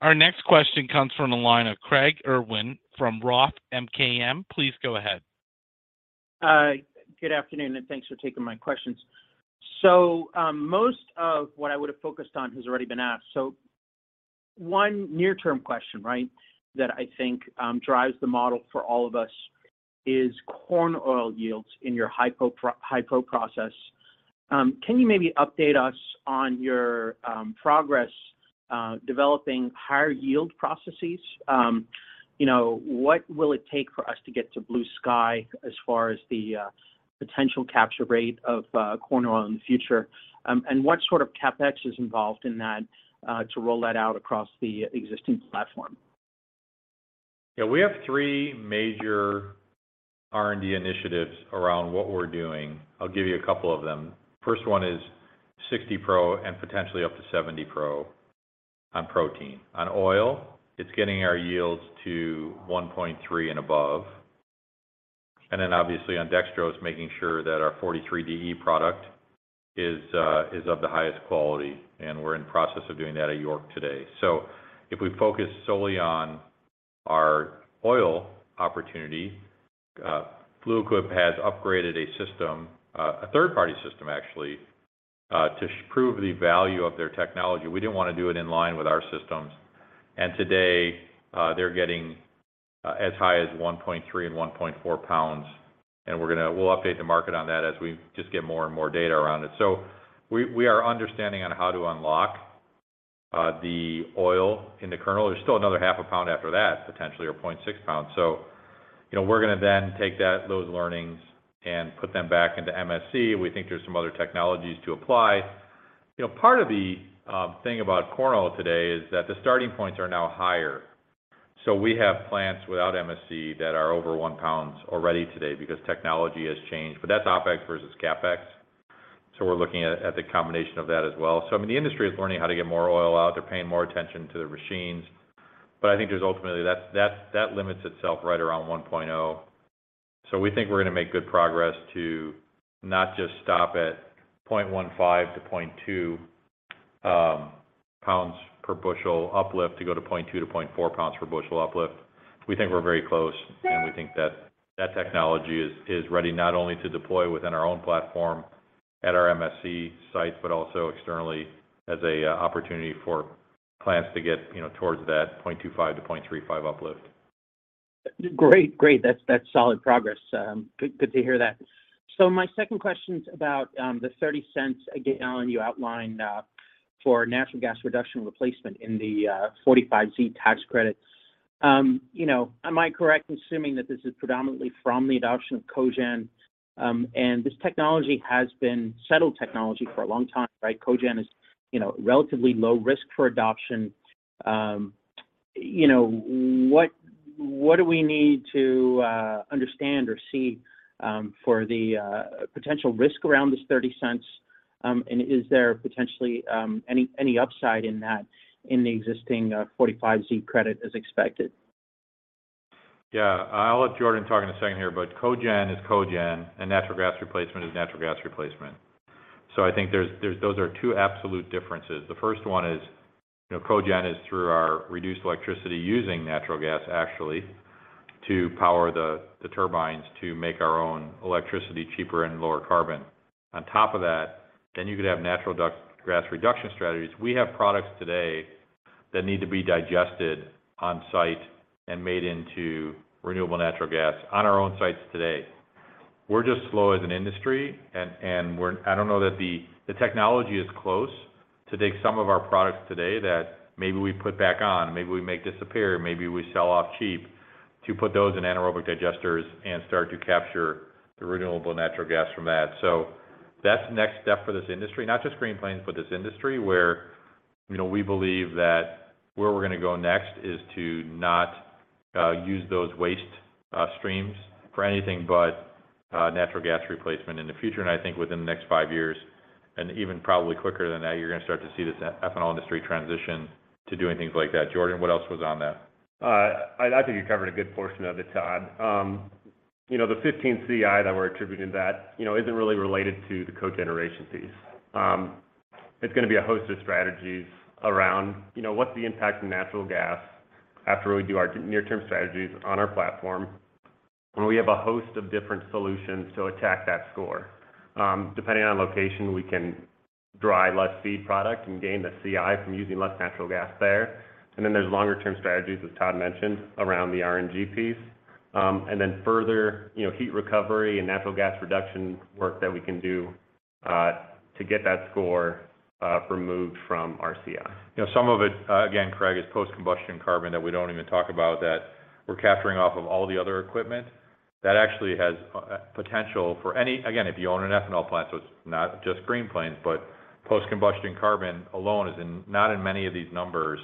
Our next question comes from the line of Craig Irwin from Roth MKM. Please go ahead. Good afternoon, and thanks for taking my questions. Most of what I would have focused on has already been asked. One near-term question, right, that I think drives the model for all of us is corn oil yields in yourhigh-pro process. Can you maybe update us on your progress developing higher yield processes? You know, what will it take for us to get to blue sky as far as the potential capture rate of corn oil in the future? And what sort of CapEx is involved in that to roll that out across the existing platform? Yeah, we have three major R&D initiatives around what we're doing. I'll give you a couple of them. First one is 60 Pro, and potentially up to 70 Pro on protein. On oil, it's getting our yields to 1.3 and above. Obviously on dextrose, making sure that our 43 DE product is of the highest quality, and we're in the process of doing that at York today. If we focus solely on our oil opportunity, Fluid Quip has upgraded a system, a third-party system actually, to prove the value of their technology. We didn't want to do it in line with our systems, today, they're getting as high as 1.3 lbs and 1.4 lbs, we'll update the market on that as we just get more and more data around it. We are understanding on how to unlock the oil in the kernel. There's still another half a pound after that, potentially, or 0.6 lbs. You know, we're gonna then take those learnings and put them back into MSC. We think there's some other technologies to apply. You know, part of the thing about corn oil today is that the starting points are now higher. We have plants without MSC that are over 1 lbs already today because technology has changed, but that's OpEx versus CapEx, so we're looking at the combination of that as well. I mean, the industry is learning how to get more oil out. They're paying more attention to their machines, but I think there's ultimately that limits itself right around 1.0. We think we're gonna make good progress to not just stop at 0.15 lbs to 0.2 lbs per bushel uplift, to go to 0.2 lbs to 0.4 lbs per bushel uplift. We think we're very close, and we think that that technology is ready not only to deploy within our own platform at our MSC sites, but also externally as a opportunity for plants to get, you know, towards that 0.25-0.35 uplift. Great. That's solid progress. Good to hear that. My second question's about the $0.30 a gallon you outlined for natural gas reduction replacement in the 45Z tax credits. You know, am I correct in assuming that this is predominantly from the adoption of cogen? This technology has been settled technology for a long time, right? Cogen is, you know, relatively low risk for adoption. You know, what do we need to understand or see for the potential risk around this $0.30? Is there potentially any upside in that, in the existing 45Z credit as expected? Yeah. I'll let Jordan talk in a second here, but cogen is cogen, and natural gas replacement is natural gas replacement. I think those are two absolute differences. The first one is, you know, cogen is through our reduced electricity using natural gas, actually, to power the turbines to make our own electricity cheaper and lower carbon. On top of that, you could have natural gas reduction strategies. We have products today that need to be digested on-site and made into renewable natural gas on our own sites today. We're just slow as an industry, and we're I don't know that the technology is close to take some of our products today that maybe we put back on, maybe we make disappear, maybe we sell off cheap, to put those in anaerobic digesters and start to capture the renewable natural gas from that. That's the next step for this industry, not just Green Plains, but this industry, where, you know, we believe that where we're gonna go next is to not use those waste streams for anything but natural gas replacement in the future. I think within the next 5 years, and even probably quicker than that, you're gonna start to see this ethanol industry transition to doing things like that. Jordan, what else was on that? I think you covered a good portion of it, Todd. You know, the 15 CI that we're attributing that, you know, isn't really related to the cogeneration piece. It's gonna be a host of strategies around, you know, what's the impact of natural gas after we do our near-term strategies on our platform, and we have a host of different solutions to attack that score. Depending on location, we can dry less feed product and gain the CI from using less natural gas there. There's longer-term strategies, as Todd mentioned, around the RNG piece. Further, you know, heat recovery and natural gas reduction work that we can do, to get that score, removed from our CI. You know, some of it, again, Craig, is post-combustion carbon that we don't even talk about, that we're capturing off of all the other equipment. That actually has potential for any. Again, if you own an ethanol plant, so it's not just Green Plains, but post-combustion carbon alone is not in many of these numbers,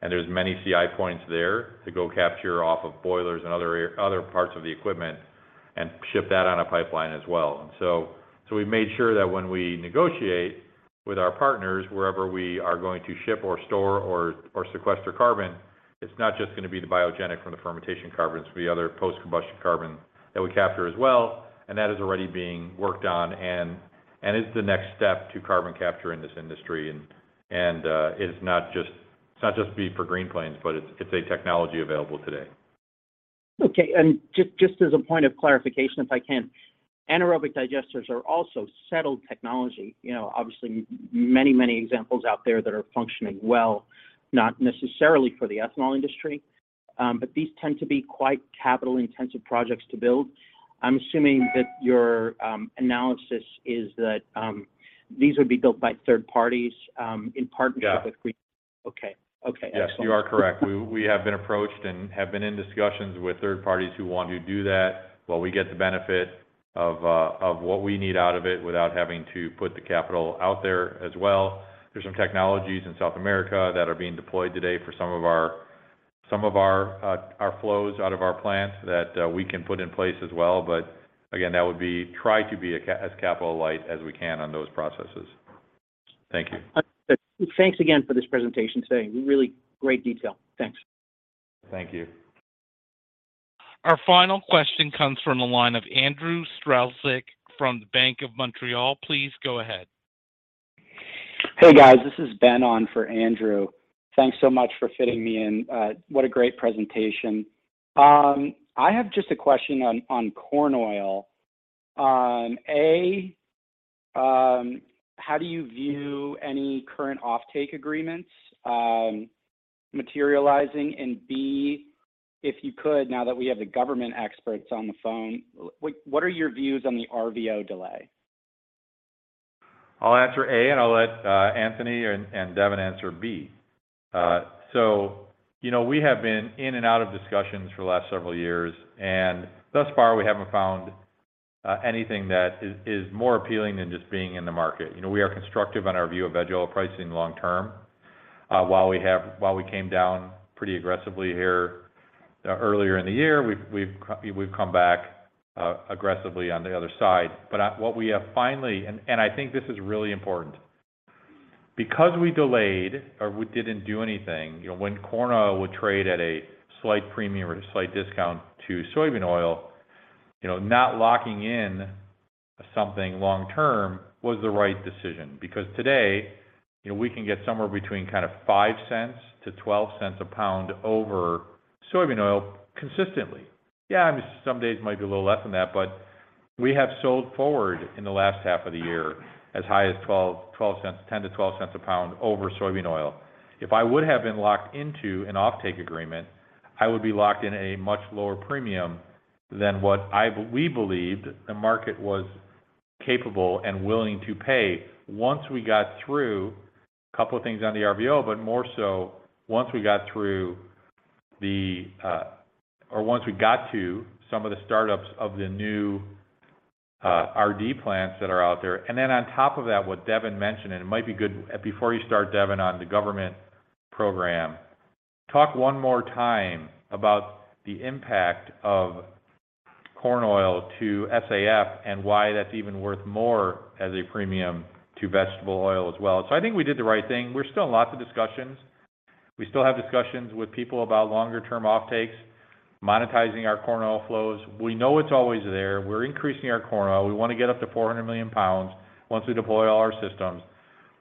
and there's many CI points there to go capture off of boilers and other parts of the equipment and ship that on a pipeline as well. So we've made sure that when we negotiate with our partners, wherever we are going to ship or store or sequester carbon, it's not just gonna be the biogenic from the fermentation carbon, it's the other post-combustion carbon that we capture as well, and that is already being worked on and is the next step to carbon capture in this industry. It's not just be for Green Plains, but it's a technology available today. Just as a point of clarification, if I can. Anaerobic digesters are also settled technology. You know, obviously, many examples out there that are functioning well, not necessarily for the ethanol industry, but these tend to be quite capital-intensive projects to build. I'm assuming that your analysis is that these would be built by third parties. Yeah. with Green. Okay. Okay, excellent. Yes, you are correct. We have been approached and have been in discussions with third parties who want to do that while we get the benefit. Of what we need out of it without having to put the capital out there as well. There's some technologies in South America that are being deployed today for some of our flows out of our plants that we can put in place as well. Again, that would be try to be as capital light as we can on those processes. Thank you. Thanks again for this presentation today. Really great detail. Thanks. Thank you. Our final question comes from the line of Andrew Strelzik from the BMO Capital Markets. Please go ahead. Hey, guys. This is Ben on for Andrew. Thanks so much for fitting me in. What a great presentation. I have just a question on corn oil. A, how do you view any current offtake agreements materializing? B, if you could, now that we have the government experts on the phone, what are your views on the RVO delay? I'll answer A, and I'll let Anthony and Devin answer B. You know, we have been in and out of discussions for the last several years, and thus far, we haven't found anything that is more appealing than just being in the market. You know, we are constructive on our view of veg oil pricing long term. While we came down pretty aggressively here earlier in the year, we've come back aggressively on the other side. What we have finally, and I think this is really important. We delayed or we didn't do anything, you know, when corn oil would trade at a slight premium or a slight discount to soybean oil, you know, not locking in something long term was the right decision. Because today, you know, we can get somewhere between kind of $0.05-$0.12 a pound over soybean oil consistently. Yeah, I mean, some days might be a little less than that, but we have sold forward in the last half of the year as high as $0.12, $0.10-$0.12 a pound over soybean oil. If I would have been locked into an offtake agreement, I would be locked in a much lower premium than what I, we believed the market was capable and willing to pay. Once we got through a couple of things on the RVO, but more so once we got through or once we got to some of the startups of the new RD plants that are out there. On top of that, what Devin mentioned, it might be good, before you start, Devin, on the government program, talk one more time about the impact of corn oil to SAF and why that's even worth more as a premium to vegetable oil as well. I think we did the right thing. We're still in lots of discussions. We still have discussions with people about longer-term offtakes, monetizing our corn oil flows. We know it's always there. We're increasing our corn oil. We want to get up to 400 million pounds once we deploy all our systems.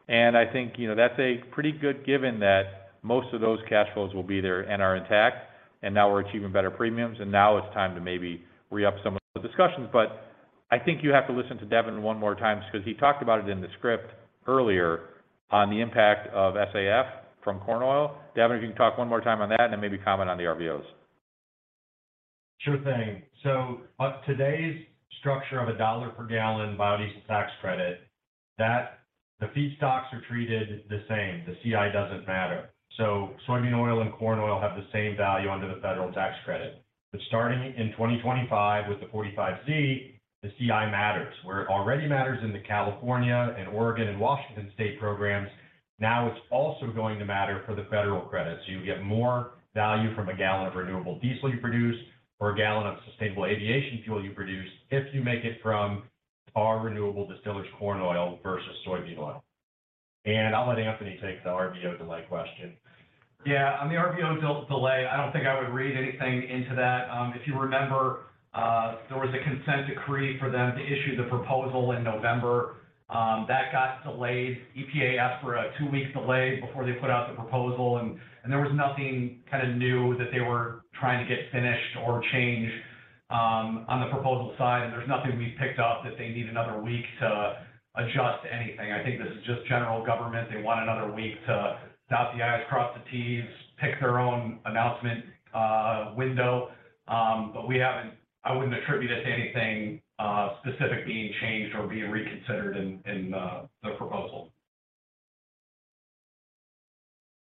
I think, you know, that's a pretty good, given that most of those cash flows will be there and are intact, and now we're achieving better premiums, and now it's time to maybe re-up some of the discussions. I think you have to listen to Devin one more time because he talked about it in the script earlier on the impact of SAF from corn oil. Devin, if you can talk one more time on that, and maybe comment on the RVOs? Sure thing. On today's structure of a $1 per gallon biodiesel tax credit, that the feedstocks are treated the same. The CI doesn't matter. Soybean oil and corn oil have the same value under the federal tax credit. Starting in 2025, with the 45Z, the CI matters. Where it already matters in the California, and Oregon, and Washington State programs, now it's also going to matter for the federal credit. You get more value from a gallon of renewable diesel you produce or a gallon of sustainable aviation fuel you produce if you make it from our renewable distillers corn oil versus soybean oil. I'll let Anthony take the RVO delay question. On the RVO delay, I don't think I would read anything into that. If you remember, there was a consent decree for them to issue the proposal in November. That got delayed. EPA asked for a two-week delay before they put out the proposal, and there was nothing kinda new that they were trying to get finished or changed on the proposal side, and there's nothing we picked up that they need another week to adjust anything. I think this is just general government. They want another week to dot the I's, cross the T's, pick their own announcement, window. I wouldn't attribute it to anything specific being changed or being reconsidered in the proposal.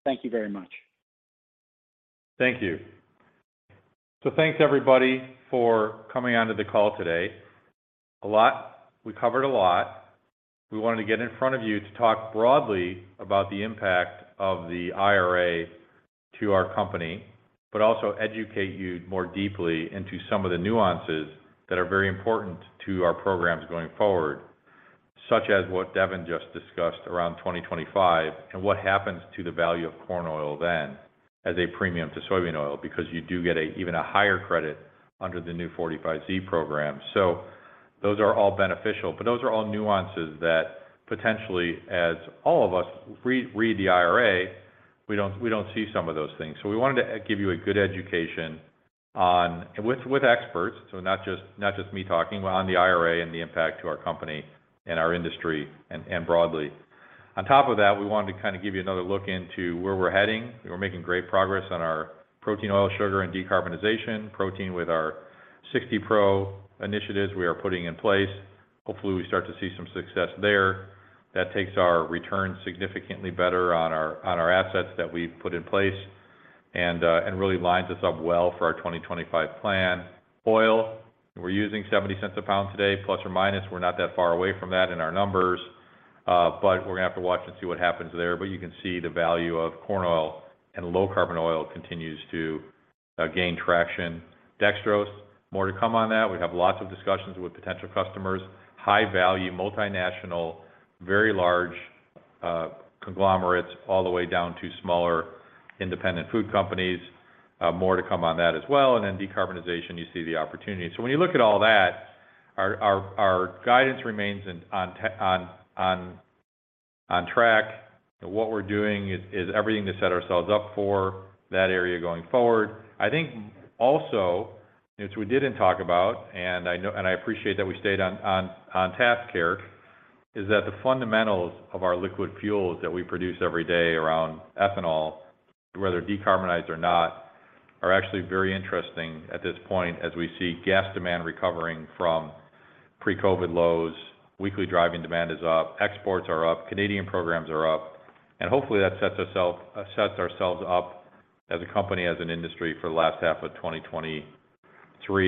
Thank you very much. Thank you. Thanks, everybody, for coming onto the call today. We covered a lot. We wanted to get in front of you to talk broadly about the impact of the IRA to our company, but also educate you more deeply into some of the nuances that are very important to our programs going forward, such as what Devin just discussed around 2025, and what happens to the value of corn oil then as a premium to soybean oil, because you do get a even a higher credit under the new 45Z program. Those are all beneficial, but those are all nuances that potentially, as all of us read the IRA, we don't see some of those things. We wanted to give you a good education on... With experts, not just me talking, on the IRA and the impact to our company and our industry, and broadly. On top of that, we wanted to kind of give you another look into where we're heading. We're making great progress on our protein, oil, sugar, and decarbonization. Protein with our 60 Pro initiatives we are putting in place. Hopefully, we start to see some success there. That takes our returns significantly better on our assets that we've put in place, and really lines us up well for our 2025 plan. Oil, we're using $0.70 a pound today, ±. We're not that far away from that in our numbers, but we're gonna have to watch and see what happens there. You can see the value of corn oil and low carbon oil continues to gain traction. Dextrose, more to come on that. We have lots of discussions with potential customers, high value, multinational, very large conglomerates, all the way down to smaller, independent food companies. More to come on that as well. Then decarbonization, you see the opportunity. When you look at all that, our guidance remains on track. What we're doing is everything to set ourselves up for that area going forward. I think also, which we didn't talk about, I appreciate that we stayed on task here, is that the fundamentals of our liquid fuels that we produce every day around ethanol, whether decarbonized or not, are actually very interesting at this point, as we see gas demand recovering from pre-COVID lows. Weekly driving demand is up, exports are up, Canadian programs are up, hopefully, that sets ourselves up as a company, as an industry for the last half of 2023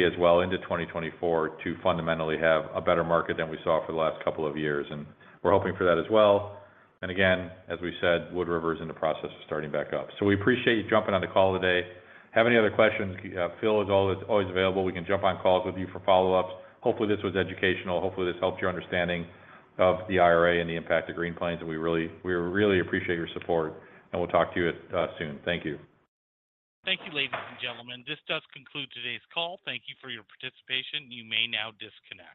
as well into 2024, to fundamentally have a better market than we saw for the last couple of years, and we're hoping for that as well. Again, as we said, Wood River is in the process of starting back up. We appreciate you jumping on the call today. Have any other questions, Phil is always available. We can jump on calls with you for follow-ups. Hopefully, this was educational. Hopefully, this helped your understanding of the IRA and the impact of Green Plains, and we really appreciate your support, and we'll talk to you soon. Thank you. Thank you, ladies and gentlemen. This does conclude today's call. Thank you for your participation. You may now disconnect.